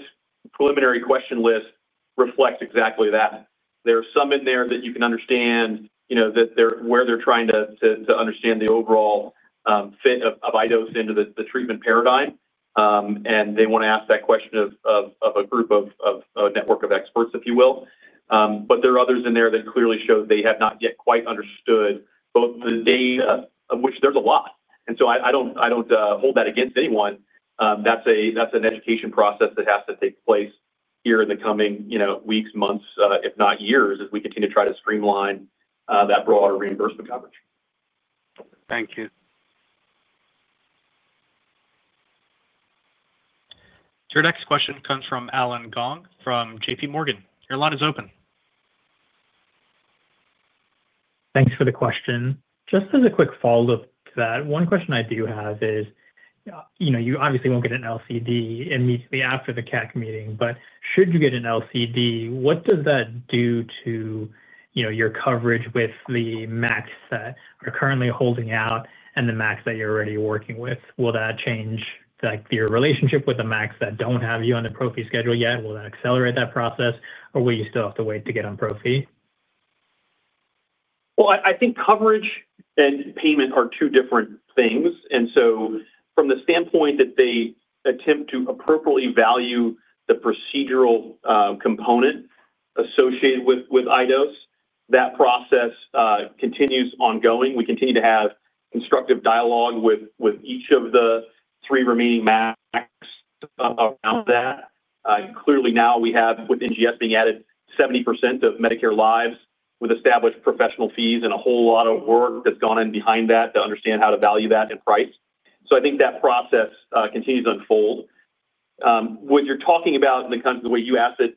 preliminary question list reflects exactly that. There are some in there that you can understand, that they're trying to understand the overall fit of iDose into the treatment paradigm. They want to ask that question of a group of a network of experts, if you will. There are others in there that clearly show that they have not yet quite understood both the data, of which there's a lot. I don't hold that against anyone. That's an education process that has to take place here in the coming weeks, months, if not years, as we continue to try to streamline that broader reimbursement coverage. Thank you. Your next question comes from Allen Gong from JPMorgan. Your line is open. Thanks for the question. Just as a quick follow-up to that, one question I do have is, you know, you obviously won't get an LCD immediately after the CAC meeting, but should you get an LCD, what does that do to, you know, your coverage with the MACs that are currently holding out and the MACs that you're already working with? Will that change your relationship with the MACs that don't have you on the pro-fee schedule yet? Will that accelerate that process, or will you still have to wait to get on pro-fee? I think coverage and payment are two different things. From the standpoint that they attempt to appropriately value the procedural component associated with iDose, that process continues ongoing. We continue to have constructive dialogue with each of the three remaining MACs around that. Clearly, now we have with NGS being added 70% of Medicare lives with established professional fees and a whole lot of work that's gone in behind that to understand how to value that in price. I think that process continues to unfold. What you're talking about in the way you asked it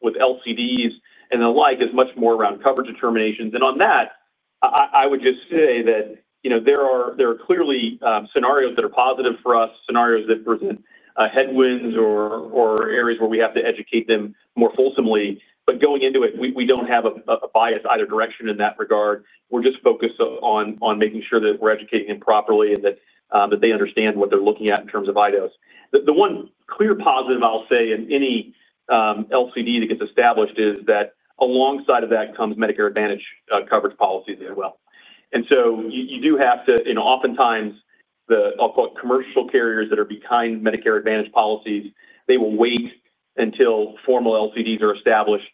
with LCDs and the like is much more around coverage determinations. On that, I would just say that there are clearly scenarios that are positive for us, scenarios that present headwinds or areas where we have to educate them more fulsomely. Going into it, we don't have a bias either direction in that regard. We're just focused on making sure that we're educating them properly and that they understand what they're looking at in terms of iDose. The one clear positive I'll say in any LCD that gets established is that alongside of that comes Medicare Advantage coverage policies as well. You do have to, oftentimes the, I'll call it commercial carriers that are behind Medicare Advantage policies, they will wait until formal LCDs are established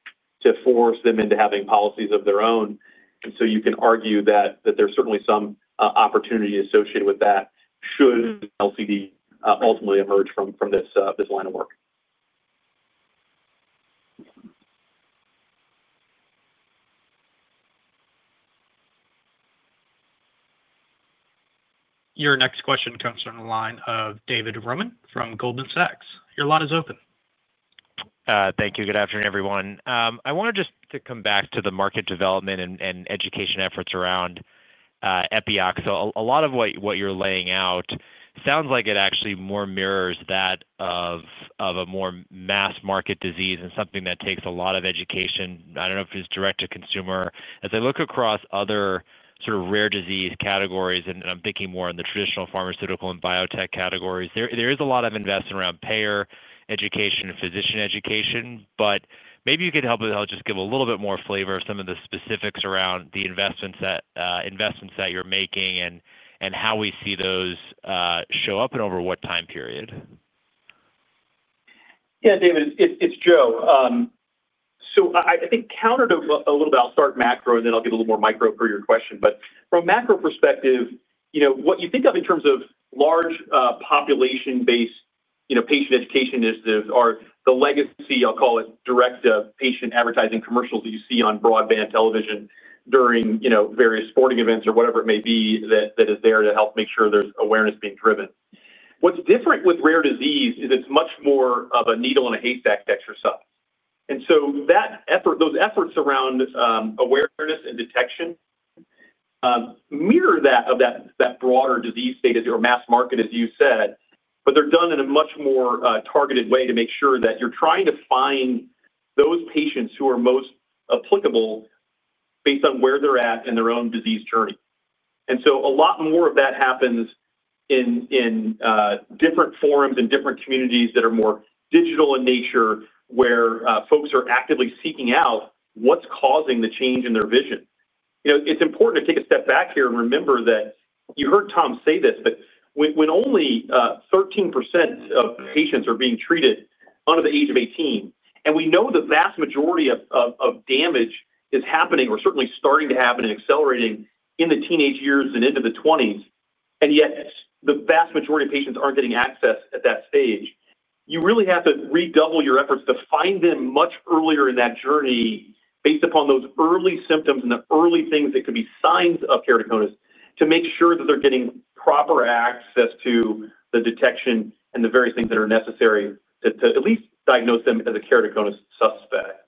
to force them into having policies of their own. You can argue that there's certainly some opportunity associated with that should LCD ultimately emerge from this line of work. Your next question comes from a line of David Roman from Goldman Sachs. Your line is open. Thank you. Good afternoon, everyone. I wanted just to come back to the market development and education efforts around Epioxa. A lot of what you're laying out sounds like it actually more mirrors that of a more mass-market disease and something that takes a lot of education. I don't know if it's direct to consumer. As I look across other sort of rare disease categories, and I'm thinking more in the traditional pharmaceutical and biotech categories, there is a lot of investment around payer education and physician education. Maybe you could help with, I'll just give a little bit more flavor of some of the specifics around the investments that you're making and how we see those show up and over what time period. Yeah, David, it's Joe. I think counter to a little bit, I'll start macro and then I'll get a little more micro per your question. From a macro perspective, what you think of in terms of large population-based patient education initiatives are the legacy, I'll call it, direct patient advertising commercials that you see on broadband television during various sporting events or whatever it may be that is there to help make sure there's awareness being driven. What's different with rare disease is it's much more of a needle in a haystack exercise. Those efforts around awareness and detection mirror that of that broader disease state as your mass market, as you said, but they're done in a much more targeted way to make sure that you're trying to find those patients who are most applicable based on where they're at in their own disease journey. A lot more of that happens in different forums and different communities that are more digital in nature, where folks are actively seeking out what's causing the change in their vision.It's important to take a step back here and remember that you heard Tom say this, but when only 13% of patients are being treated under the age of 18, and we know the vast majority of damage is happening or certainly starting to happen and accelerating in the teenage years and into the 20s, and yet the vast majority of patients aren't getting access at that stage, you really have to redouble your efforts to find them much earlier in that journey based upon those early symptoms and the early things that could be signs of keratoconus to make sure that they're getting proper access to the detection and the various things that are necessary to at least diagnose them as a keratoconus suspect.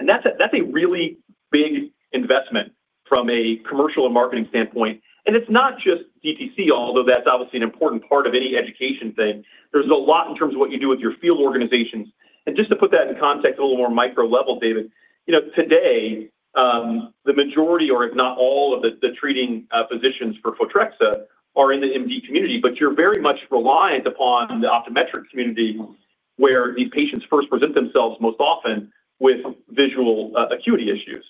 That's a really big investment from a commercial and marketing standpoint. It's not just DTC, although that's obviously an important part of any education thing. There's a lot in terms of what you do with your field organizations. Just to put that in context a little more micro level, David, today, the majority, or if not all, of the treating physicians for Photrexa are in the MD community, but you're very much reliant upon the optometric community where these patients first present themselves most often with visual acuity issues.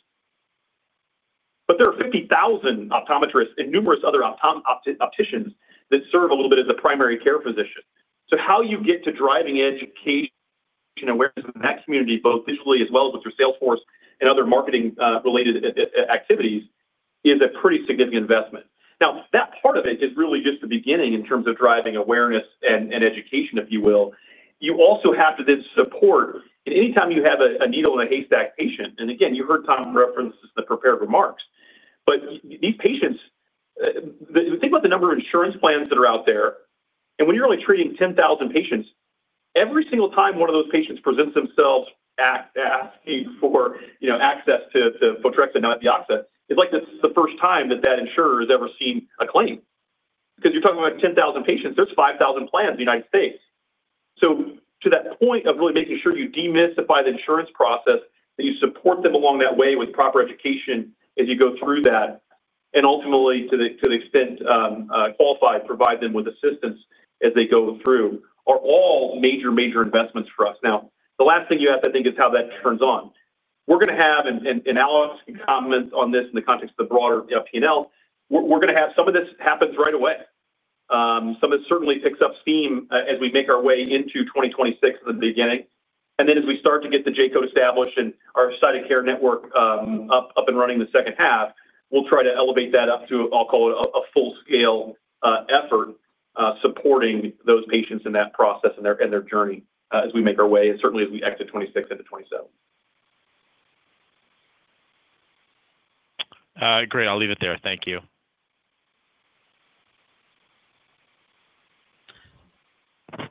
There are 50,000 optometrists and numerous other opticians that serve a little bit as a primary care physician. How you get to driving education and awareness in that community, both digitally as well as with your sales force and other marketing-related activities, is a pretty significant investment. That part of it is really just the beginning in terms of driving awareness and education, if you will. You also have to then support, and anytime you have a needle in a haystack patient, and again, you heard Tom reference the prepared remarks, but these patients, think about the number of insurance plans that are out there. When you're only treating 10,000 patients, every single time one of those patients presents themselves asking for access to Photrexa, not Epioxa, it's like that's the first time that that insurer has ever seen a claim. Because you're talking about 10,000 patients, there's 5,000 plans in the United States. To that point of really making sure you demystify the insurance process, that you support them along that way with proper education as you go through that, and ultimately, to the extent qualified, provide them with assistance as they go through, are all major, major investments for us. The last thing you ask, I think, is how that turns on. We're going to have, and Alex can comment on this in the context of the broader P&L, we're going to have some of this happens right away. Some of this certainly picks up steam as we make our way into 2026 at the beginning. As we start to get the J code established and our site of care network up and running in the second half, we'll try to elevate that up to, I'll call it, a full-scale effort supporting those patients in that process and their journey as we make our way and certainly as we exit 2026 into 2027. Great. I'll leave it there. Thank you.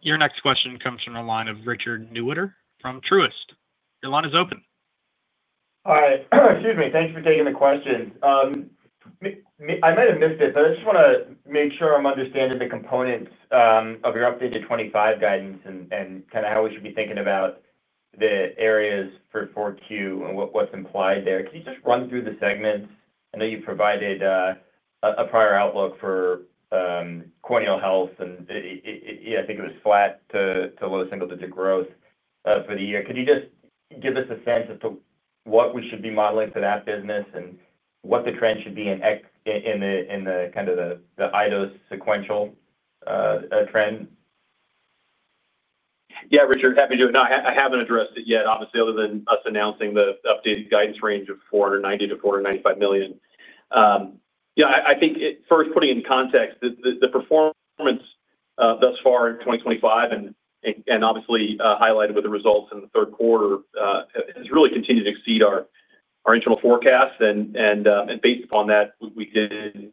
Your next question comes from a line of Richard Newitter from Truist. Your line is open. All right. Thanks for taking the question. I might have missed it, but I just want to make sure I'm understanding the components of your updated 2025 guidance and kind of how we should be thinking about the areas 4Q and what's implied there. Could you just run through the segments? I know you provided a prior outlook for corneal health, and I think it was flat to low single-digit growth for the year. Could you just give us a sense as to what we should be modeling for that business and what the trend should be in the kind of the iDose sequential trend? Yeah, Richard, happy to do it. No, I haven't addressed it yet, obviously, other than us announcing the updated guidance range of $490 million-$495 million. I think first putting in context that the performance thus far in 2025 and obviously highlighted with the results in the third quarter has really continued to exceed our internal forecasts. Based upon that, we did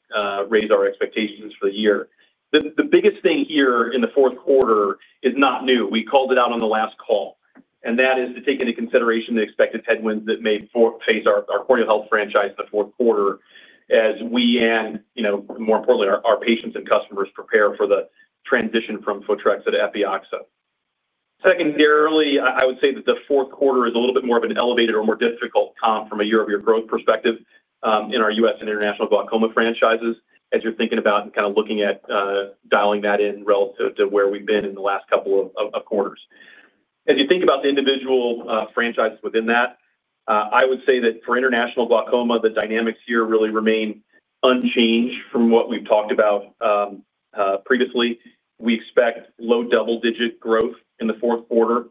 raise our expectations for the year. The biggest thing here in the fourth quarter is not new. We called it out on the last call. That is to take into consideration the expected headwinds that may face our corneal health franchise in the fourth quarter as we and, more importantly, our patients and customers prepare for the transition from Photrexa to Epioxa. Secondarily, I would say that the fourth quarter is a little bit more of an elevated or more difficult comp from a year-over-year growth perspective in our U.S. and international glaucoma franchises as you're thinking about and kind of looking at dialing that in relative to where we've been in the last couple of quarters. As you think about the individual franchises within that, I would say that for international glaucoma, the dynamics here really remain unchanged from what we've talked about previously. We expect low double-digit growth in the fourth quarter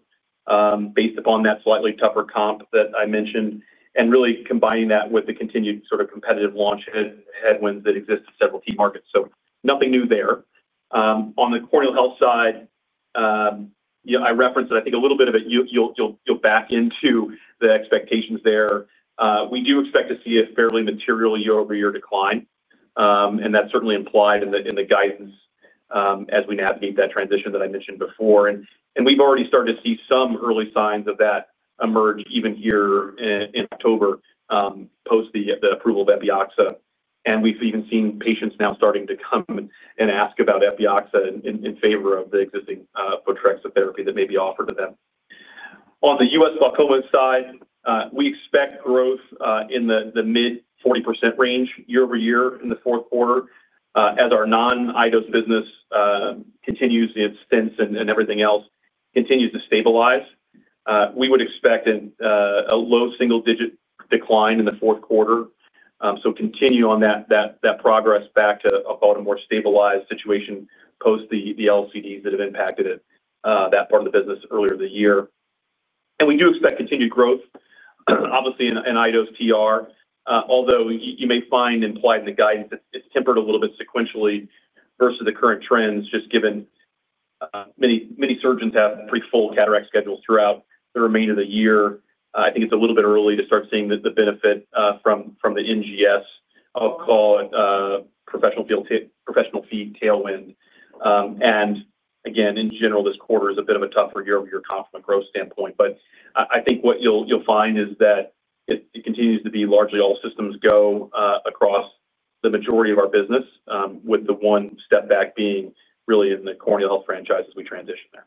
based upon that slightly tougher comp that I mentioned and really combining that with the continued sort of competitive launch headwinds that exist in several key markets. Nothing new there. On the corneal health side, I referenced that I think a little bit of it. You'll back into the expectations there. We do expect to see a fairly material year-over-year decline. That's certainly implied in the guidance as we navigate that transition that I mentioned before. We've already started to see some early signs of that emerge even here in October post the approval of Epioxa. We've even seen patients now starting to come and ask about Epioxa in favor of the existing Photrexa therapy that may be offered to them. On the U.S. glaucoma side, we expect growth in the mid-40% range year-over-year in the fourth quarter as our non-iDose business continues its stints and everything else continues to stabilize. We would expect a low single-digit decline in the fourth quarter. Continue on that progress back to a far more stabilized situation post the LCDs that have impacted that part of the business earlier in the year. We do expect continued growth, obviously, in iDose TR, although you may find implied in the guidance it's tempered a little bit sequentially versus the current trends, just given many surgeons have pretty full cataract schedules throughout the remainder of the year. I think it's a little bit early to start seeing the benefit from the NGS, I'll call it professional fee tailwind. In general, this quarter is a bit of a tougher year-over-year comp from a growth standpoint. I think what you'll find is that it continues to be largely all systems go across the majority of our business, with the one step back being really in the corneal health franchise as we transition there.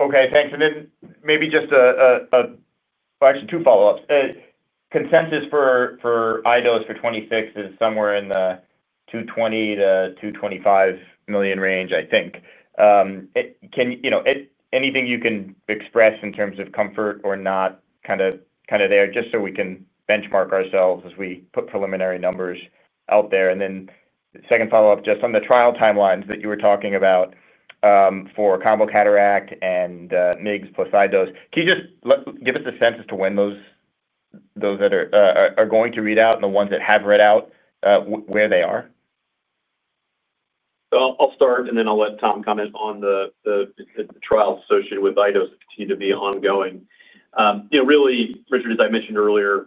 Okay. Thanks. Maybe just two follow-ups. Consensus for iDose for 2026 is somewhere in the $220 million-$225 million range, I think. Can you, you know, anything you can express in terms of comfort or not kind of there, just so we can benchmark ourselves as we put preliminary numbers out there? The second follow-up, just on the trial timelines that you were talking about for combo cataract and MIGS plus iDose, can you just give us a sense as to when those that are going to read out and the ones that have read out, where they are? I'll start, and then I'll let Tom comment on the trials associated with iDose that continue to be ongoing. You know, really, Richard, as I mentioned earlier,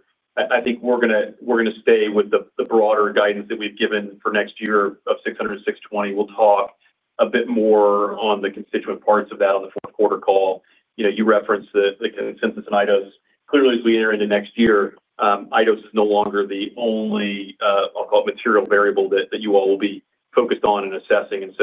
I think we're going to stay with the broader guidance that we've given for next year of $600 million-$620 million. We'll talk a bit more on the constituent parts of that on the fourth quarter call. You know, you referenced the consensus in iDose. Clearly, as we enter into next year, iDose is no longer the only, I'll call it, material variable that you all will be focused on and assessing.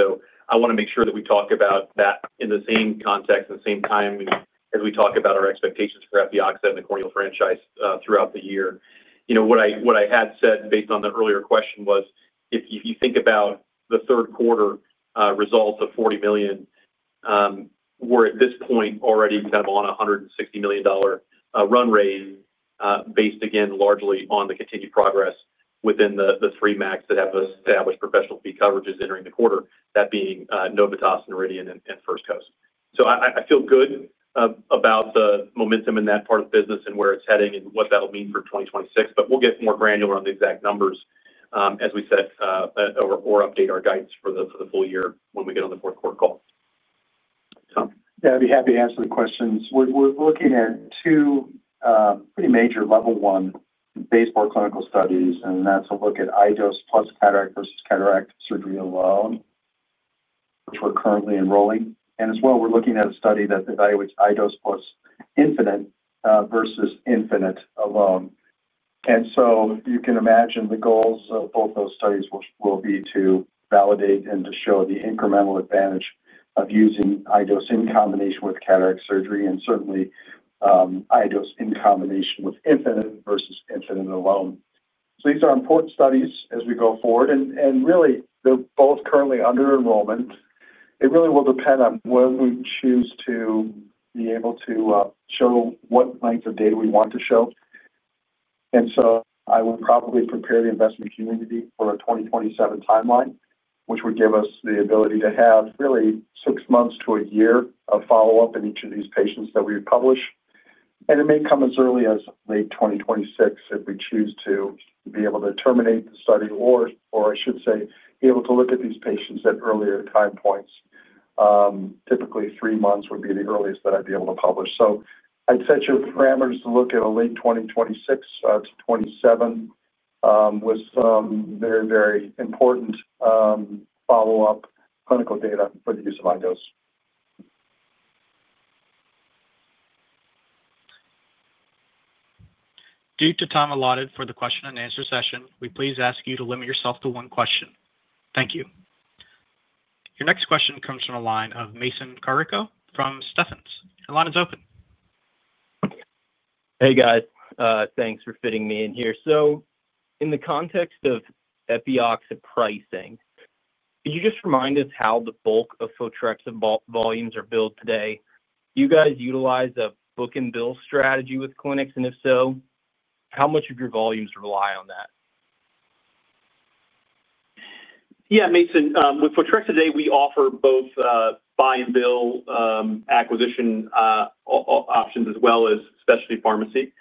I want to make sure that we talk about that in the same context and the same time as we talk about our expectations for Epioxa and the corneal franchise throughout the year. What I had said based on the earlier question was if you think about the third quarter results of $40 million, we're at this point already kind of on a $160 million run rate based, again, largely on the continued progress within the three MACs that have established professional fee coverages entering the quarter, that being Novitas, Noridian, and First Coast. I feel good about the momentum in that part of the business and where it's heading and what that'll mean for 2026. We'll get more granular on the exact numbers as we set or update our guidance for the full year when we get on the fourth quarter call. Yeah, I'd be happy to answer the questions. We're looking at two pretty major level one, baseboard clinical studies, and that's a look at iDose plus cataract versus cataract surgery alone, which we're currently enrolling. We're looking at a study that evaluates iDose plus Infinite versus Infinite alone. You can imagine the goals of both those studies will be to validate and to show the incremental advantage of using iDose in combination with cataract surgery and certainly iDose in combination with Infinite versus Infinite alone. These are important studies as we go forward. They're both currently under enrollment. It really will depend on when we choose to be able to show what length of data we want to show. I would probably prepare the investment community for a 2027 timeline, which would give us the ability to have really six months to a year of follow-up in each of these patients that we would publish. It may come as early as late 2026 if we choose to be able to terminate the study, or I should say, be able to look at these patients at earlier time points. Typically, three months would be the earliest that I'd be able to publish. I'd set your parameters to look at a late 2026-2027 with some very, very important follow-up clinical data for the use of iDose. Due to time allotted for the question-and-answer session, we please ask you to limit yourself to one question. Thank you. Your next question comes from a line of Mason Carrico from Stephens. Your line is open. Hey, guys. Thanks for fitting me in here. In the context of Epioxa pricing, could you just remind us how the bulk of Photrexa volumes are billed today? Do you guys utilize a book and bill strategy with clinics? If so, how much of your volumes rely on that? Yeah, Mason. With Photrexa today, we offer both buy and bill acquisition options as well as specialty pharmacy.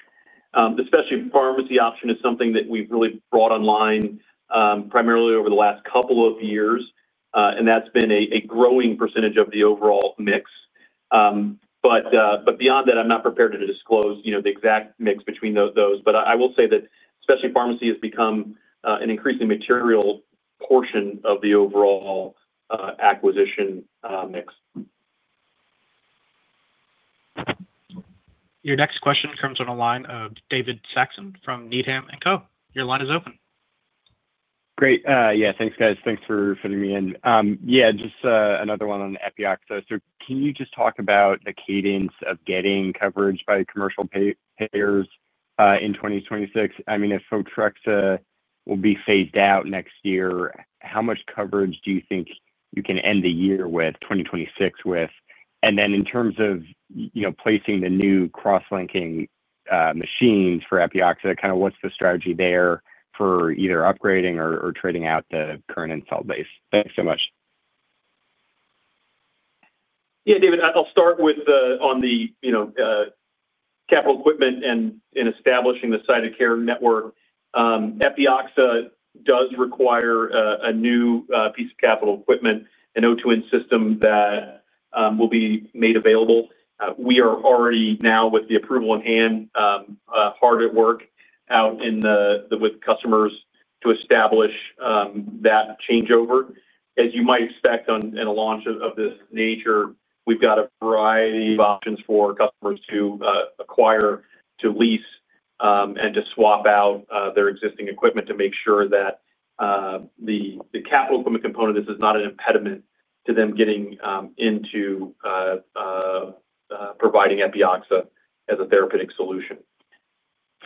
The specialty pharmacy option is something that we've really brought online primarily over the last couple of years, and that's been a growing percentage of the overall mix. Beyond that, I'm not prepared to disclose the exact mix between those. I will say that specialty pharmacy has become an increasingly material portion of the overall acquisition mix. Your next question comes from a line of David Saxon from Needham & Co. Your line is open. Great. Yeah, thanks, guys. Thanks for fitting me in. Yeah, just another one on the Epioxa. Can you just talk about the cadence of getting coverage by commercial payers in 2026? If Photrexa will be phased out next year, how much coverage do you think you can end the year 2026 with? In terms of placing the new cross-linking machines for Epioxa, what's the strategy there for either upgrading or trading out the current installed base? Thanks so much. Yeah, David, I'll start with the capital equipment and in establishing the site of care network. Epioxa does require a new piece of capital equipment, an O2 in system that will be made available. We are already now, with the approval in hand, hard at work with customers to establish that changeover. As you might expect in a launch of this nature, we've got a variety of options for customers to acquire, to lease, and to swap out their existing equipment to make sure that the capital equipment component of this is not an impediment to them getting into providing Epioxa as a therapeutic solution.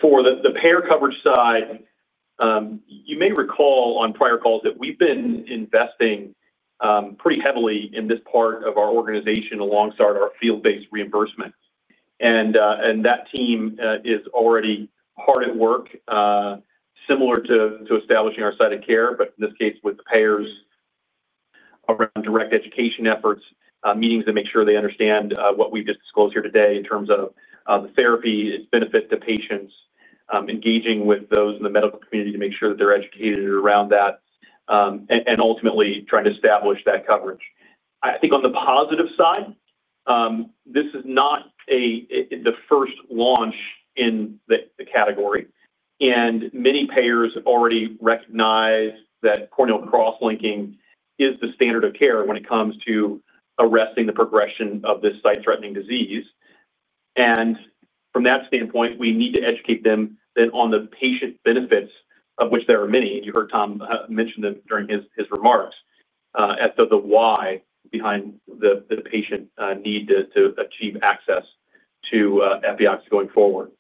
For the payer coverage side, you may recall on prior calls that we've been investing pretty heavily in this part of our organization alongside our field-based reimbursement. That team is already hard at work, similar to establishing our site of care, but in this case, with the payers around direct education efforts, meetings to make sure they understand what we've just disclosed here today in terms of the therapy, its benefit to patients, engaging with those in the medical community to make sure that they're educated around that, and ultimately trying to establish that coverage. I think on the positive side, this is not the first launch in the category. Many payers have already recognized that corneal cross-linking is the standard of care when it comes to arresting the progression of this site-threatening disease. From that standpoint, we need to educate them on the patient benefits, of which there are many, and you heard Tom mention them during his remarks, as to the why behind the patient need to achieve access to Epioxa going forward.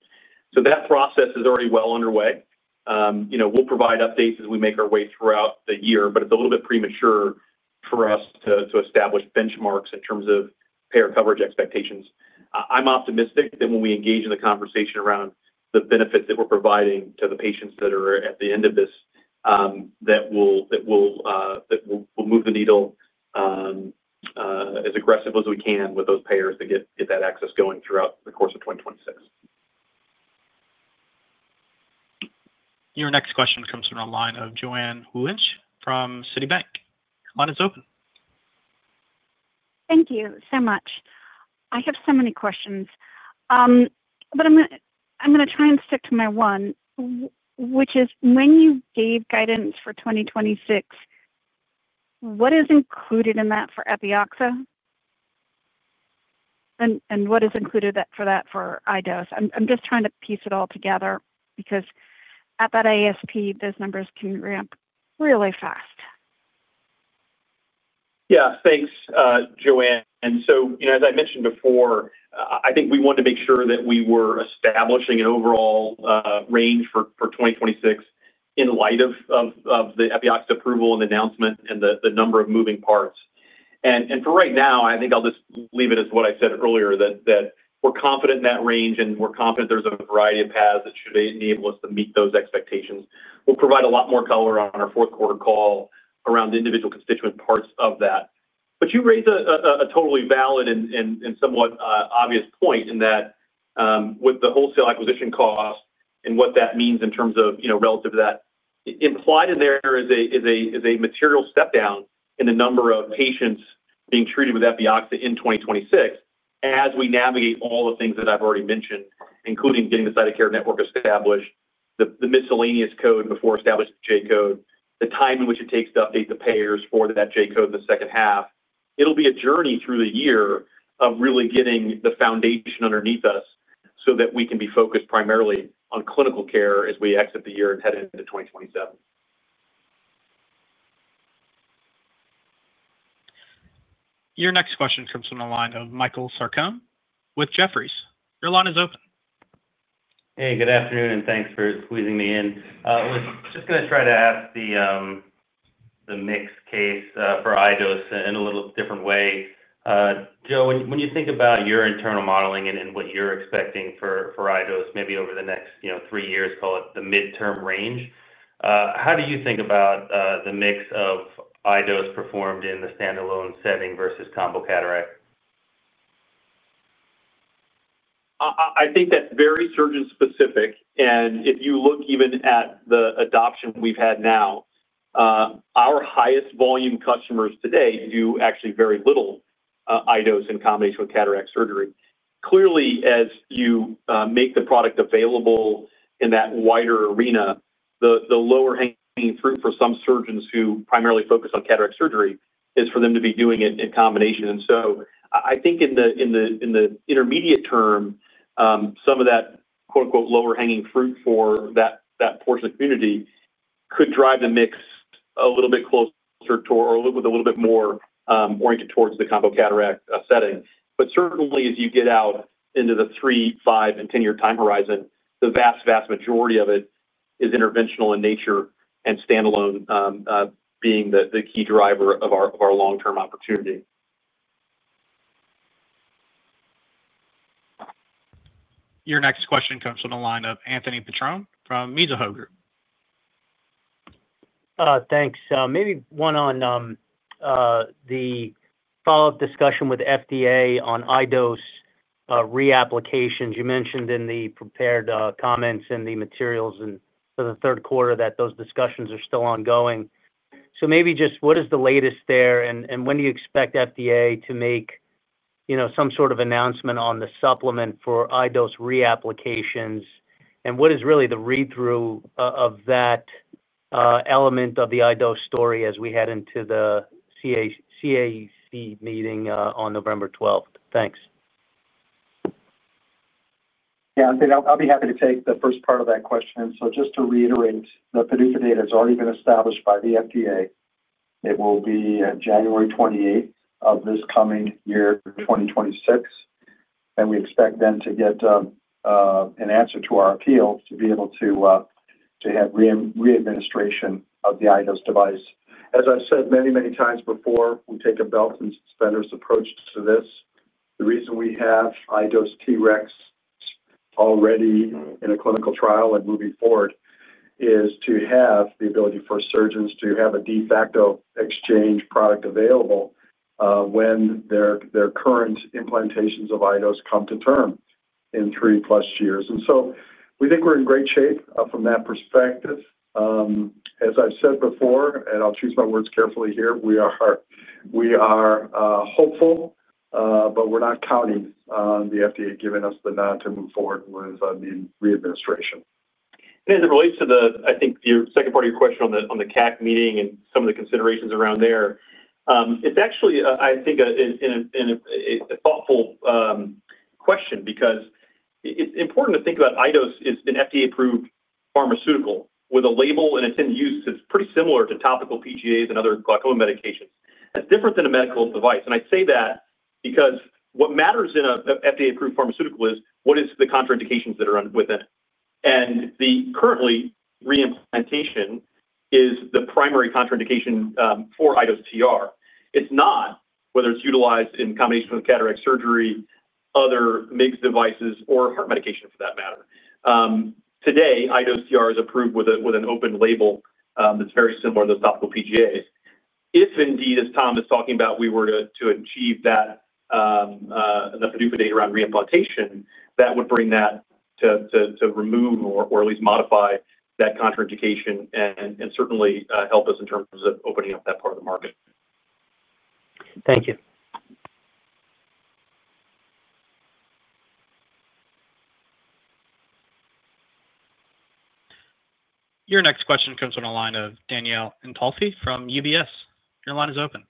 That process is already well underway. We'll provide updates as we make our way throughout the year, but it's a little bit premature for us to establish benchmarks in terms of payer coverage expectations. I'm optimistic that when we engage in the conversation around the benefits that we're providing to the patients that are at the end of this, that we'll move the needle as aggressively as we can with those payers to get that access going throughout the course of 2026. Your next question comes from a line of Joanne Wuensch from Citibank. Line is open. Thank you so much. I have so many questions, but I'm going to try and stick to my one, which is when you gave guidance for 2026, what is included in that for Epioxa? And what is included for that for iDose? I'm just trying to piece it all together because at that ASP, those numbers can ramp really fast. Yeah, thanks, Joanne. As I mentioned before, I think we wanted to make sure that we were establishing an overall range for 2026 in light of the Epioxa approval and announcement and the number of moving parts. For right now, I think I'll just leave it as what I said earlier, that we're confident in that range and we're confident there's a variety of paths that should enable us to meet those expectations. We'll provide a lot more color on our fourth quarter call around individual constituent parts of that. You raise a totally valid and somewhat obvious point in that, with the wholesale acquisition cost and what that means in terms of, you know, relative to that, implied in there is a material step down in the number of patients being treated with Epioxa in 2026 as we navigate all the things that I've already mentioned, including getting the site of care network established, the miscellaneous code before establishing the J code, the time in which it takes to update the payers for that J code in the second half. It'll be a journey through the year of really getting the foundation underneath us so that we can be focused primarily on clinical care as we exit the year and head into 2027. Your next question comes from a line of Michael Sarcone with Jefferies. Your line is open. Hey, good afternoon, and thanks for squeezing me in. I was just going to try to ask the mix case for iDose in a little different way. Joe, when you think about your internal modeling and what you're expecting for iDose maybe over the next, you know, three years, call it the midterm range, how do you think about the mix of iDose performed in the standalone setting versus combo cataract? I think that's very surgeon-specific. If you look even at the adoption we've had now, our highest volume customers today do actually very little iDose in combination with cataract surgery. Clearly, as you make the product available in that wider arena, the lower-hanging fruit for some surgeons who primarily focus on cataract surgery is for them to be doing it in combination. I think in the intermediate term, some of that, quote-unquote, "lower-hanging fruit" for that portion of the community could drive the mix a little bit closer to or a little bit more oriented towards the combo cataract setting. Certainly, as you get out into the three, five, and 10-year time horizon, the vast, vast majority of it is interventional in nature and standalone, being the key driver of our long-term opportunity. Your next question comes from a line of Anthony Petrone from Mizuho Group. Thanks. Maybe one on the follow-up discussion with FDA on iDose reapplications. You mentioned in the prepared comments and the materials for the third quarter that those discussions are still ongoing. What is the latest there and when do you expect FDA to make some sort of announcement on the supplement for iDose reapplications? What is really the read-through of that element of the iDose story as we head into the CAC meeting on November 12th? Thanks. Yeah, I'll be happy to take the first part of that question. Just to reiterate, the PDUFA date has already been established by the FDA. It will be January 28th, 2026. We expect then to get an answer to our appeal to be able to have readministration of the iDose device. As I've said many, many times before, we take a belt and suspenders approach to this. The reason we have iDose TREX already in a clinical trial and moving forward is to have the ability for surgeons to have a de facto exchange product available when their current implantations of iDose come to term in three-plus years. We think we're in great shape from that perspective. As I've said before, and I'll choose my words carefully here, we are hopeful, but we're not counting on the FDA giving us the nod to move forward with the readministration. As it relates to the second part of your question on the CAC meeting and some of the considerations around there, it's actually a thoughtful question because it's important to think about iDose as an FDA-approved pharmaceutical with a label and intended use. It's pretty similar to topical PGAs and other glaucoma medications. It's different than a medical device. I say that because what matters in an FDA-approved pharmaceutical is what are the contraindications that are within it. The current reimplantation is the primary contraindication for iDose TR. It's not whether it's utilized in combination with cataract surgery, other MIGS devices, or heart medication for that matter. Today, iDose TR is approved with an open label that's very similar to those topical PGAs. If indeed, as Tom is talking about, we were to achieve that, the PDUFA data around reimplantation, that would bring that to remove or at least modify that contraindication and certainly help us in terms of opening up that part of the market. Thank you. Your next question comes from a line of Danielle Antalffy from UBS. Your line is open.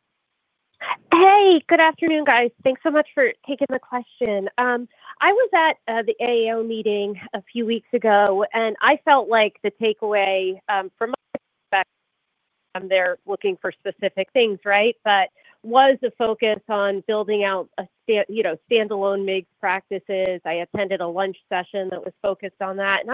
Hey, good afternoon, guys. Thanks so much for taking the question. I was at the AAO meeting a few weeks ago, and I felt like the takeaway from my perspective, they're looking for specific things, right? Was the focus on building out a, you know, standalone MIGS practices. I attended a lunch session that was focused on that.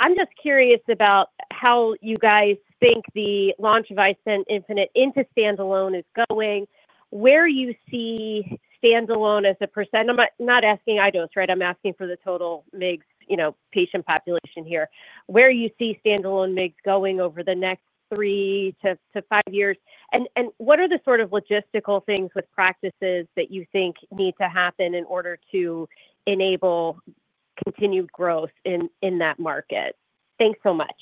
I'm just curious about how you guys think the launch of iStent infinite into standalone is going, where you see standalone as a perecntage. I'm not asking iDose, right? I'm asking for the total MIGS, you know, patient population here. Where you see standalone MIGS going over the next three to five years? What are the sort of logistical things with practices that you think need to happen in order to enable continued growth in that market? Thanks so much.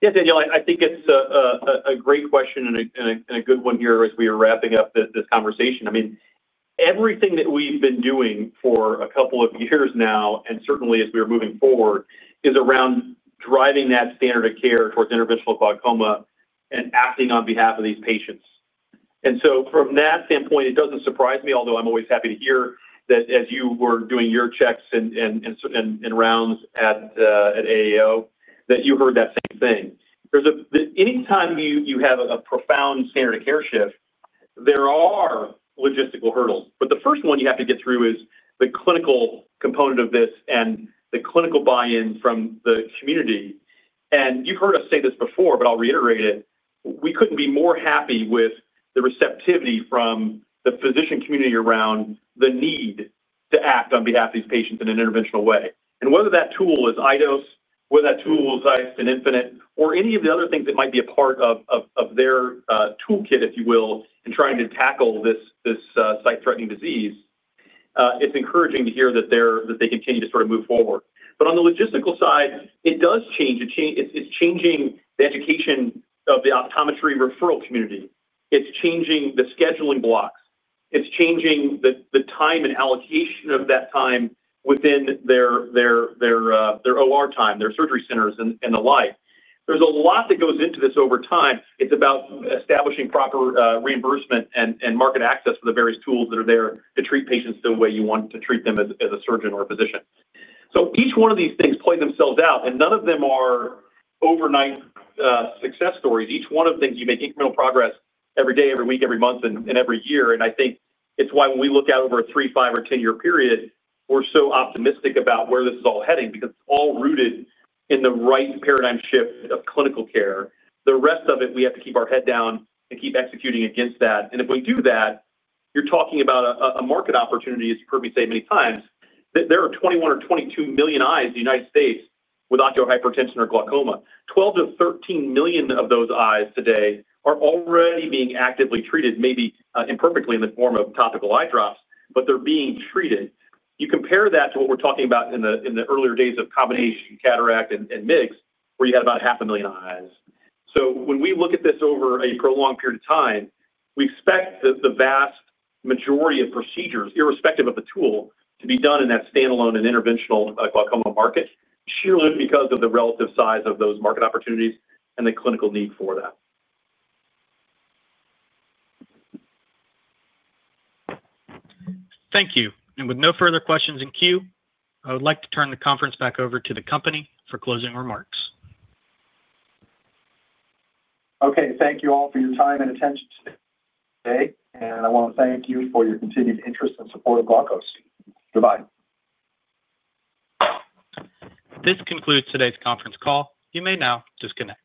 Yes, Danielle, I think it's a great question and a good one here as we are wrapping up this conversation. Everything that we've been doing for a couple of years now, and certainly as we are moving forward, is around driving that standard of care towards interventional glaucoma and acting on behalf of these patients. From that standpoint, it doesn't surprise me, although I'm always happy to hear that as you were doing your checks and rounds at AAO, that you heard that same thing. Anytime you have a profound standard of care shift, there are logistical hurdles. The first one you have to get through is the clinical component of this and the clinical buy-in from the community. You've heard us say this before, but I'll reiterate it. We couldn't be more happy with the receptivity from the physician community around the need to act on behalf of these patients in an interventional way. Whether that tool is iDose, whether that tool is iStent Infinite, or any of the other things that might be a part of their toolkit, if you will, in trying to tackle this sight-threatening disease, it's encouraging to hear that they continue to sort of move forward. On the logistical side, it does change. It's changing the education of the optometry referral community. It's changing the scheduling blocks. It's changing the time and allocation of that time within their OR time, their surgery centers, and the like. There's a lot that goes into this over time. It's about establishing proper reimbursement and market access for the various tools that are there to treat patients the way you want to treat them as a surgeon or a physician. Each one of these things play themselves out, and none of them are overnight success stories. Each one of the things you make incremental progress every day, every week, every month, and every year. I think it's why when we look out over a three, five, or 10-year period, we're so optimistic about where this is all heading because it's all rooted in the right paradigm shift of clinical care. The rest of it, we have to keep our head down and keep executing against that. If we do that, you're talking about a market opportunity, as you've heard me say many times, that there are 21 or 22 million eyes in the United States with ocular hypertension or glaucoma. 12 million-13 million of those eyes today are already being actively treated, maybe imperfectly in the form of topical eye drops, but they're being treated. You compare that to what we're talking about in the earlier days of combination cataract and MIGS, where you had about 0.5 million eyes. When we look at this over a prolonged period of time, we expect the vast majority of procedures, irrespective of the tool, to be done in that standalone and interventional glaucoma market, purely because of the relative size of those market opportunities and the clinical need for that. Thank you. With no further questions in queue, I would like to turn the conference back over to the company for closing remarks. Okay. Thank you all for your time and attention today. I want to thank you for your continued interest and support of Glaukos. Goodbye. This concludes today's conference call. You may now disconnect.